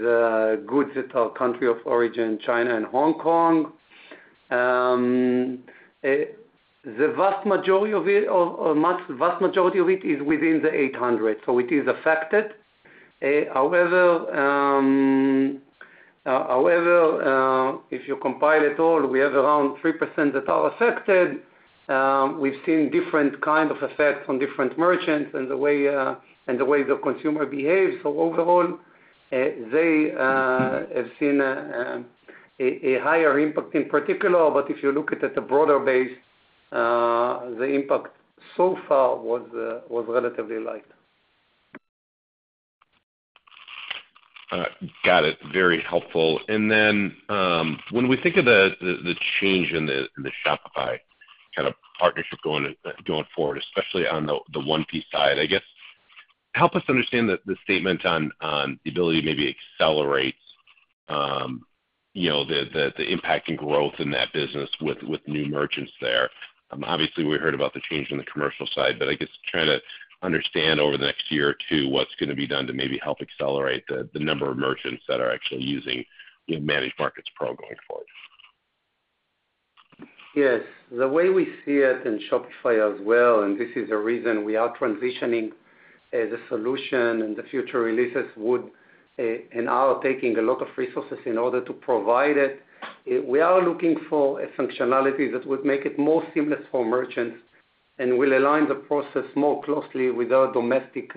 goods that are country of origin, China and Hong Kong. The vast majority of it is within the $800, so it is affected. However, if you compile it all, we have around 3% that are affected. We've seen different kinds of effects on different merchants and the way the consumer behaves. Overall, they have seen a higher impact in particular. If you look at the broader base, the impact so far was relatively light. Got it. Very helpful. When we think of the change in the Shopify kind of partnership going forward, especially on the one-piece side, I guess, help us understand the statement on the ability to maybe accelerate the impact and growth in that business with new merchants there. Obviously, we heard about the change in the commercial side, but I guess trying to understand over the next year or two what's going to be done to maybe help accelerate the number of merchants that are actually using Managed Markets Pro going forward. Yes. The way we see it in Shopify as well, and this is a reason we are transitioning the solution and the future releases and are taking a lot of resources in order to provide it. We are looking for a functionality that would make it more seamless for merchants and will align the process more closely with our domestic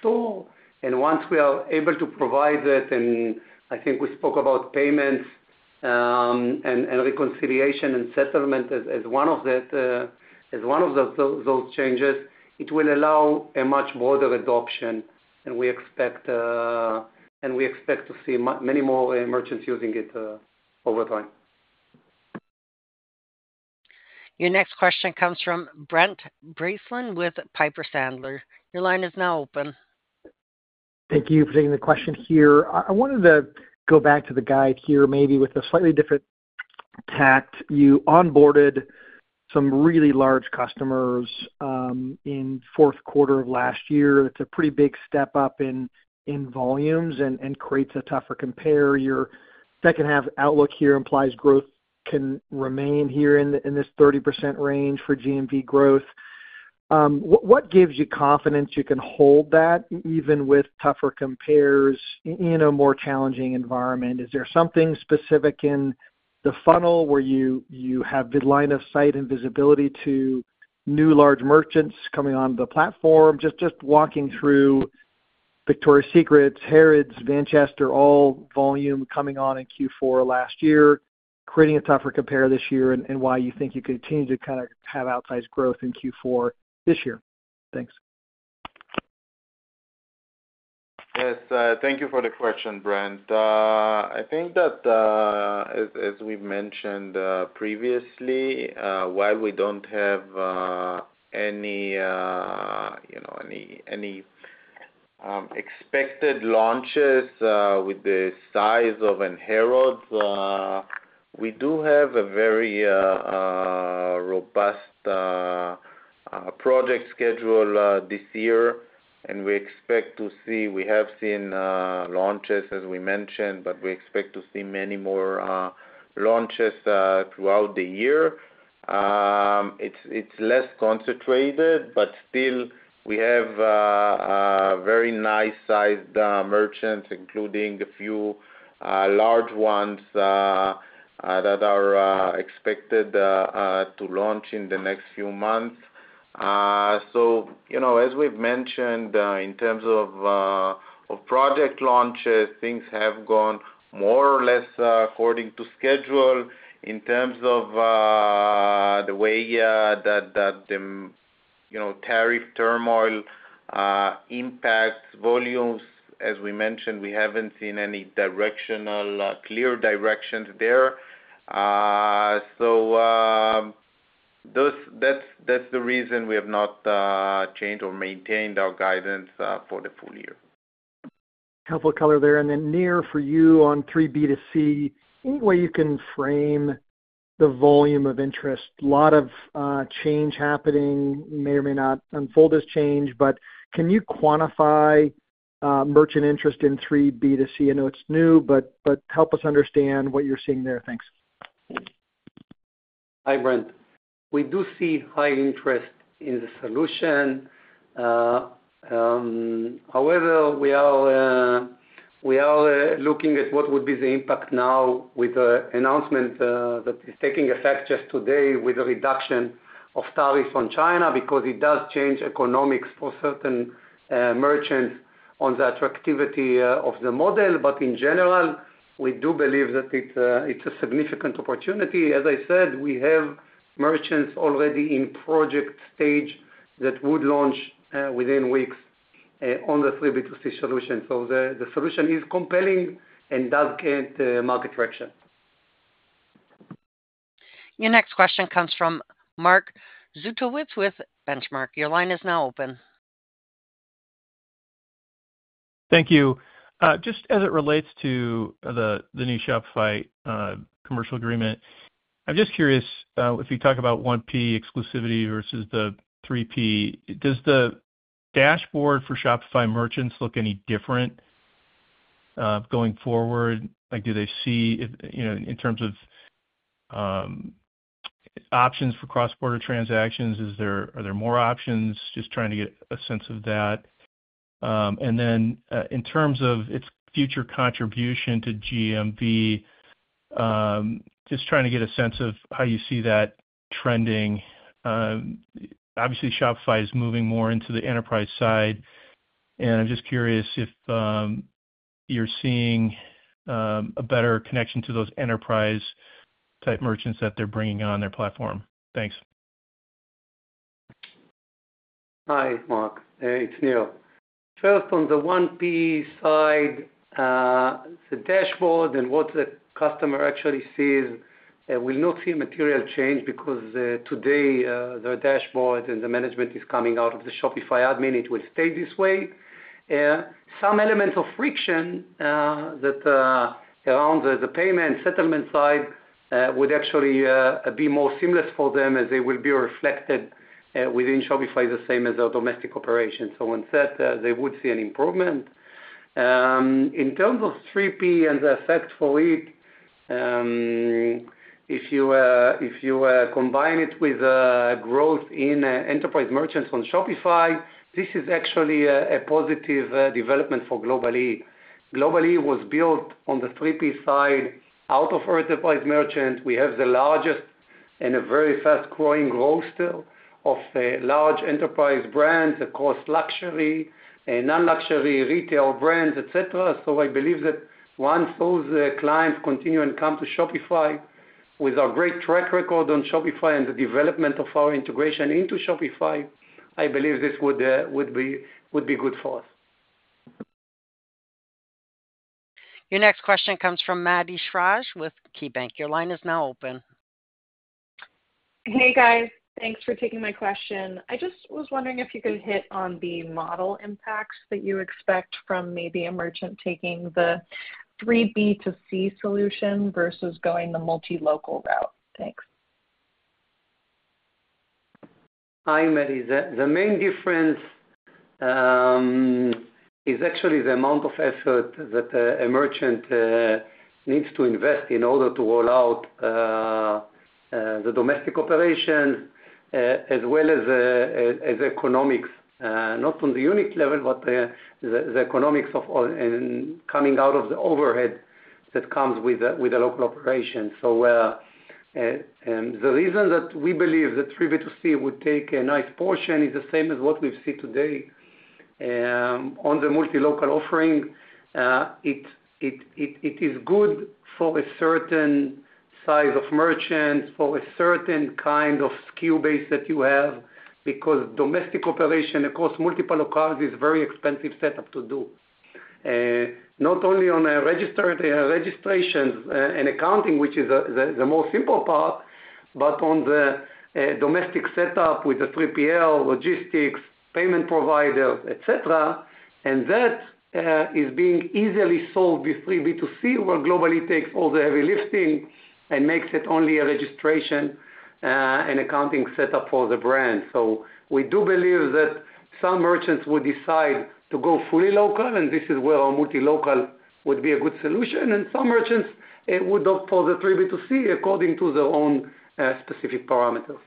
store. Once we are able to provide that, and I think we spoke about payments and reconciliation and settlement as one of those changes, it will allow a much broader adoption. We expect to see many more merchants using it over time. Your next question comes from Brent Bracelin with Piper Sandler. Your line is now open. Thank you for taking the question here. I wanted to go back to the guide here maybe with a slightly different tact. You onboarded some really large customers in fourth quarter of last year. It's a pretty big step up in volumes and creates a tougher compare. Your second-half outlook here implies growth can remain here in this 30% range for GMV growth. What gives you confidence you can hold that even with tougher compares in a more challenging environment? Is there something specific in the funnel where you have good line of sight and visibility to new large merchants coming onto the platform? Just walking through Victoria's Secret, Harrods, Manchester, all volume coming on in Q4 last year, creating a tougher compare this year, and why you think you continue to kind of have outsized growth in Q4 this year. Thanks. Yes. Thank you for the question, Brent. I think that, as we've mentioned previously, while we don't have any expected launches with the size of a Harrods, we do have a very robust project schedule this year. We expect to see—we have seen launches, as we mentioned, but we expect to see many more launches throughout the year. It's less concentrated, but still, we have very nice-sized merchants, including a few large ones that are expected to launch in the next few months. As we've mentioned, in terms of project launches, things have gone more or less according to schedule. In terms of the way that the tariff turmoil impacts volumes, as we mentioned, we haven't seen any clear directions there. That's the reason we have not changed or maintained our guidance for the full year. Helpful color there. And then Nir, for you on 3B2C, any way you can frame the volume of interest? A lot of change happening. It may or may not unfold as change, but can you quantify merchant interest in 3B2C? I know it's new, but help us understand what you're seeing there. Thanks. Hi, Brent. We do see high interest in the solution. However, we are looking at what would be the impact now with the announcement that is taking effect just today with the reduction of tariffs on China because it does change economics for certain merchants on the attractivity of the model. In general, we do believe that it's a significant opportunity. As I said, we have merchants already in project stage that would launch within weeks on the 3B2C solution. The solution is compelling and does get market traction. Your next question comes from Mark Zgutowicz with Benchmark. Your line is now open. Thank you. Just as it relates to the new Shopify commercial agreement, I'm just curious if you talk about 1P exclusivity versus the 3P, does the dashboard for Shopify merchants look any different going forward? Do they see, in terms of options for cross-border transactions, are there more options? Just trying to get a sense of that. And then in terms of its future contribution to GMV, just trying to get a sense of how you see that trending. Obviously, Shopify is moving more into the enterprise side, and I'm just curious if you're seeing a better connection to those enterprise-type merchants that they're bringing on their platform. Thanks. Hi, Marc. Hey, it's Nir. First, on the 1P side, the dashboard and what the customer actually sees, they will not see a material change because today their dashboard and the management is coming out of the Shopify admin. It will stay this way. Some elements of friction around the payment settlement side would actually be more seamless for them as they will be reflected within Shopify the same as our domestic operations. Instead, they would see an improvement. In terms of 3P and the effect for it, if you combine it with growth in enterprise merchants on Shopify, this is actually a positive development for Global-E. Global-E was built on the 3P side out of enterprise merchants. We have the largest and a very fast growing growth still of large enterprise brands across luxury and non-luxury retail brands, etc. I believe that once those clients continue and come to Shopify with our great track record on Shopify and the development of our integration into Shopify, I believe this would be good for us. Your next question comes from Maddie Schrage with KeyBanc. Your line is now open. Hey, guys. Thanks for taking my question. I just was wondering if you could hit on the model impacts that you expect from maybe a merchant taking the 3B2C solution versus going the multi-local route. Thanks. Hi, Maddie. The main difference is actually the amount of effort that a merchant needs to invest in order to roll out the domestic operation as well as economics, not on the unit level, but the economics of coming out of the overhead that comes with a local operation. The reason that we believe that 3B2C would take a nice portion is the same as what we've seen today. On the multi-local offering, it is good for a certain size of merchants, for a certain kind of SKU base that you have because domestic operation across multiple locales is a very expensive setup to do. Not only on the registrations and accounting, which is the more simple part, but on the domestic setup with the 3PL, logistics, payment providers, etc. That is being easily solved with 3B2C where Global-E takes all the heavy lifting and makes it only a registration and accounting setup for the brand. We do believe that some merchants would decide to go fully local, and this is where our multi-local would be a good solution. Some merchants would opt for the 3B2C according to their own specific parameters.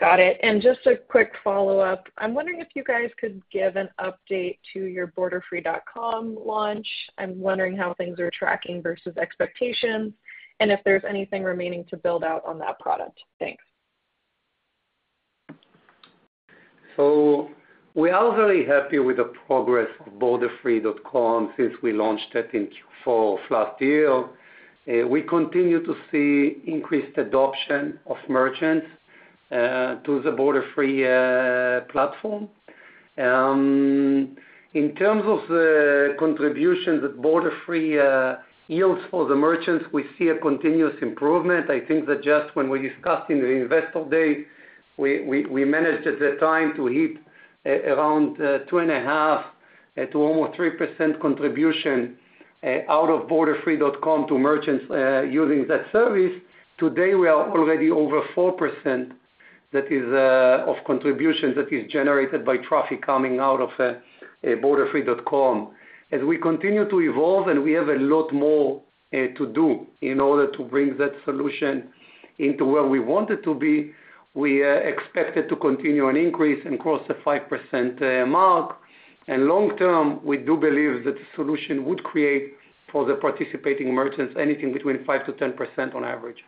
Got it. Just a quick follow-up. I'm wondering if you guys could give an update to your Borderfree.com launch. I'm wondering how things are tracking versus expectations and if there's anything remaining to build out on that product. Thanks. We are very happy with the progress of Borderfree.com since we launched it in Q4 of last year. We continue to see increased adoption of merchants to the Borderfree platform. In terms of the contribution that Borderfree yields for the merchants, we see a continuous improvement. I think that just when we discussed in the Investor Day, we managed at that time to hit around 2.5% to almost 3% contribution out of Borderfree.com to merchants using that service. Today, we are already over 4% of contribution that is generated by traffic coming out of Borderfree.com. As we continue to evolve and we have a lot more to do in order to bring that solution into where we want it to be, we expect it to continue and increase and cross the 5% mark. Long-term, we do believe that the solution would create for the participating merchants anything between 5%-10% on average.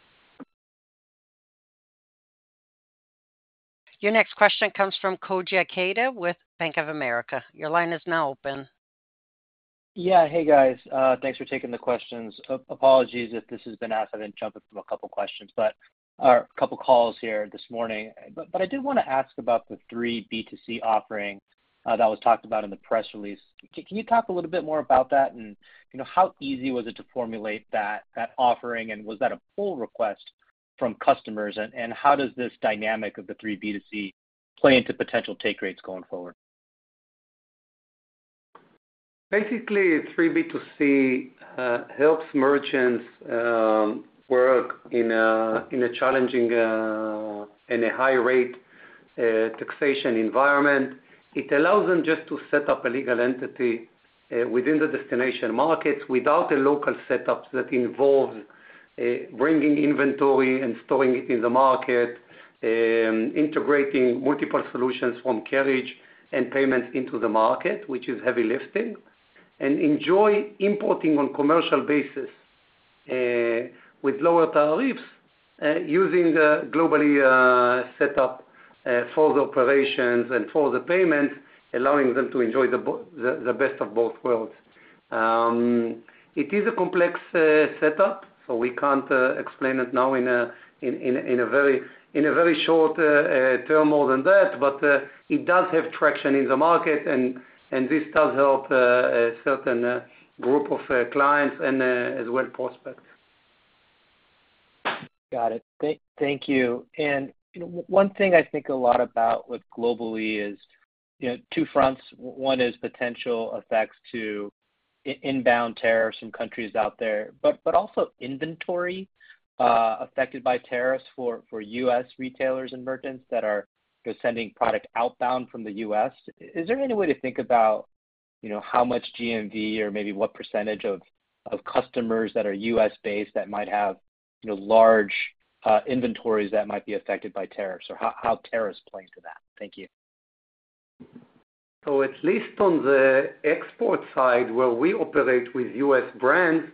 Your next question comes from Koji Ikeda with Bank of America. Your line is now open. Yeah. Hey, guys. Thanks for taking the questions. Apologies if this has been asked. I didn't jump in from a couple of questions, but a couple of calls here this morning. I did want to ask about the 3B2C offering that was talked about in the press release. Can you talk a little bit more about that and how easy was it to formulate that offering? Was that a pull request from customers? How does this dynamic of the 3B2C play into potential take rates going forward? Basically, 3B2C helps merchants work in a challenging and a high-rate taxation environment. It allows them just to set up a legal entity within the destination markets without a local setup that involves bringing inventory and storing it in the market, integrating multiple solutions from carriage and payments into the market, which is heavy lifting, and enjoy importing on a commercial basis with lower tariffs using the Global-E setup for the operations and for the payments, allowing them to enjoy the best of both worlds. It is a complex setup, so we cannot explain it now in a very short term more than that, but it does have traction in the market, and this does help a certain group of clients and as well prospects. Got it. Thank you. One thing I think a lot about with Global-E is two fronts. One is potential effects to inbound tariffs from countries out there, but also inventory affected by tariffs for U.S. retailers and merchants that are sending product outbound from the U.S. Is there any way to think about how much GMV or maybe what percentage of customers that are U.S.-based that might have large inventories that might be affected by tariffs or how tariffs play into that? Thank you. At least on the export side where we operate with U.S. brands,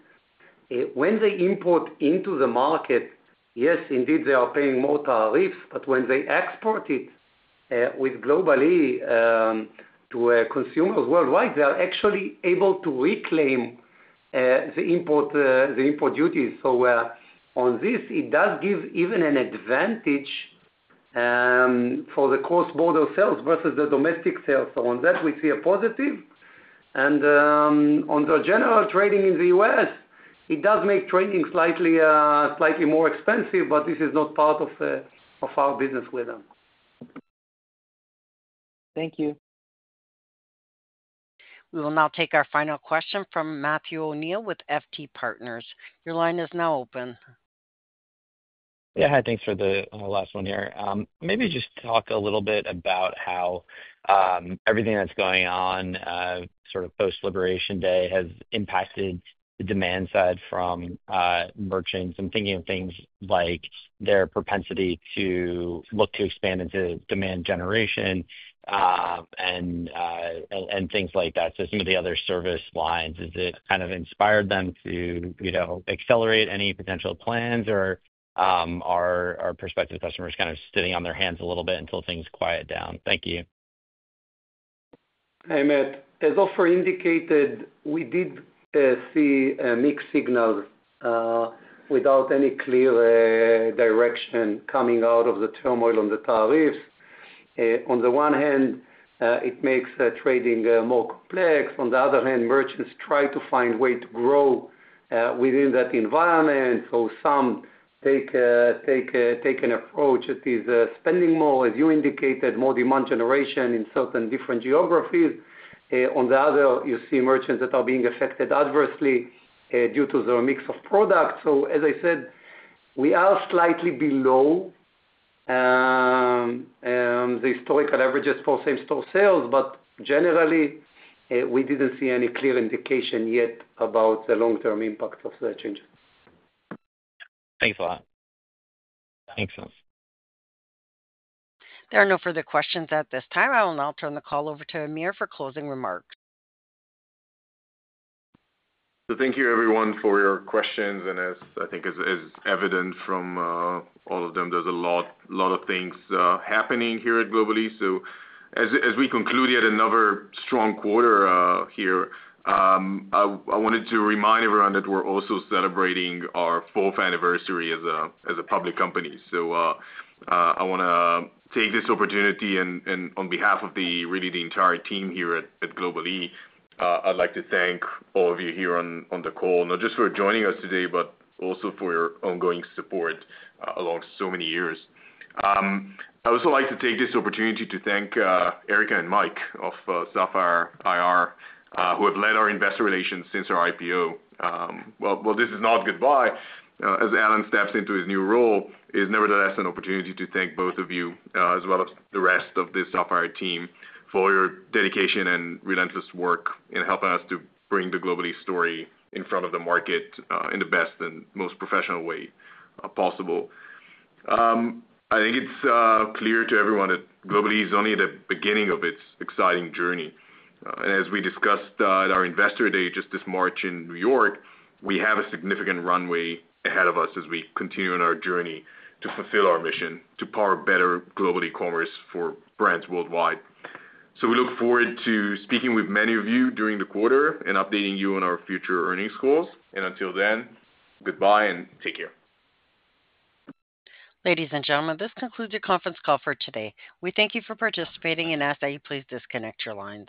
when they import into the market, yes, indeed, they are paying more tariffs, but when they export it with Global-E to consumers worldwide, they are actually able to reclaim the import duties. On this, it does give even an advantage for the cross-border sales versus the domestic sales. On that, we see a positive. On the general trading in the U.S., it does make trading slightly more expensive, but this is not part of our business with them. Thank you. We will now take our final question from Matthew O'Neill with FT Partners. Your line is now open. Yeah. Hi, thanks for the last one here. Maybe just talk a little bit about how everything that's going on sort of post-liberation day has impacted the demand side from merchants. I'm thinking of things like their propensity to look to expand into demand generation and things like that. Some of the other service lines, has it kind of inspired them to accelerate any potential plans, or are prospective customers kind of sitting on their hands a little bit until things quiet down? Thank you. Hi, Matt. As Ofer indicated, we did see mixed signals without any clear direction coming out of the turmoil on the tariffs. On the one hand, it makes trading more complex. On the other hand, merchants try to find a way to grow within that environment. Some take an approach that is spending more, as you indicated, more demand generation in certain different geographies. On the other, you see merchants that are being affected adversely due to their mix of products. As I said, we are slightly below the historical averages for same-store sales, but generally, we did not see any clear indication yet about the long-term impact of the changes. Thanks a lot. Makes sense. There are no further questions at this time. I will now turn the call over to Amir for closing remarks. Thank you, everyone, for your questions. As I think is evident from all of them, there is a lot of things happening here at Global-E. As we conclude yet another strong quarter here, I wanted to remind everyone that we are also celebrating our fourth anniversary as a public company. I want to take this opportunity and on behalf of really the entire team here at Global-E, I would like to thank all of you here on the call, not just for joining us today, but also for your ongoing support along so many years. I also like to take this opportunity to thank Erica and Mike of Sapphire IR, who have led our nvestor relations since our IPO. This is not goodbye. As Alan steps into his new role, it is nevertheless an opportunity to thank both of you as well as the rest of the Saffer team for your dedication and relentless work in helping us to bring the Global-E story in front of the market in the best and most professional way possible. I think it's clear to everyone that Global-E is only at the beginning of its exciting journey. As we discussed at our Investor Day just this March in New York, we have a significant runway ahead of us as we continue on our journey to fulfill our mission to power better global e-commerce for brands worldwide. We look forward to speaking with many of you during the quarter and updating you on our future earnings calls. Until then, goodbye and take care. Ladies and gentlemen, this concludes your conference call for today. We thank you for participating and ask that you please disconnect your lines.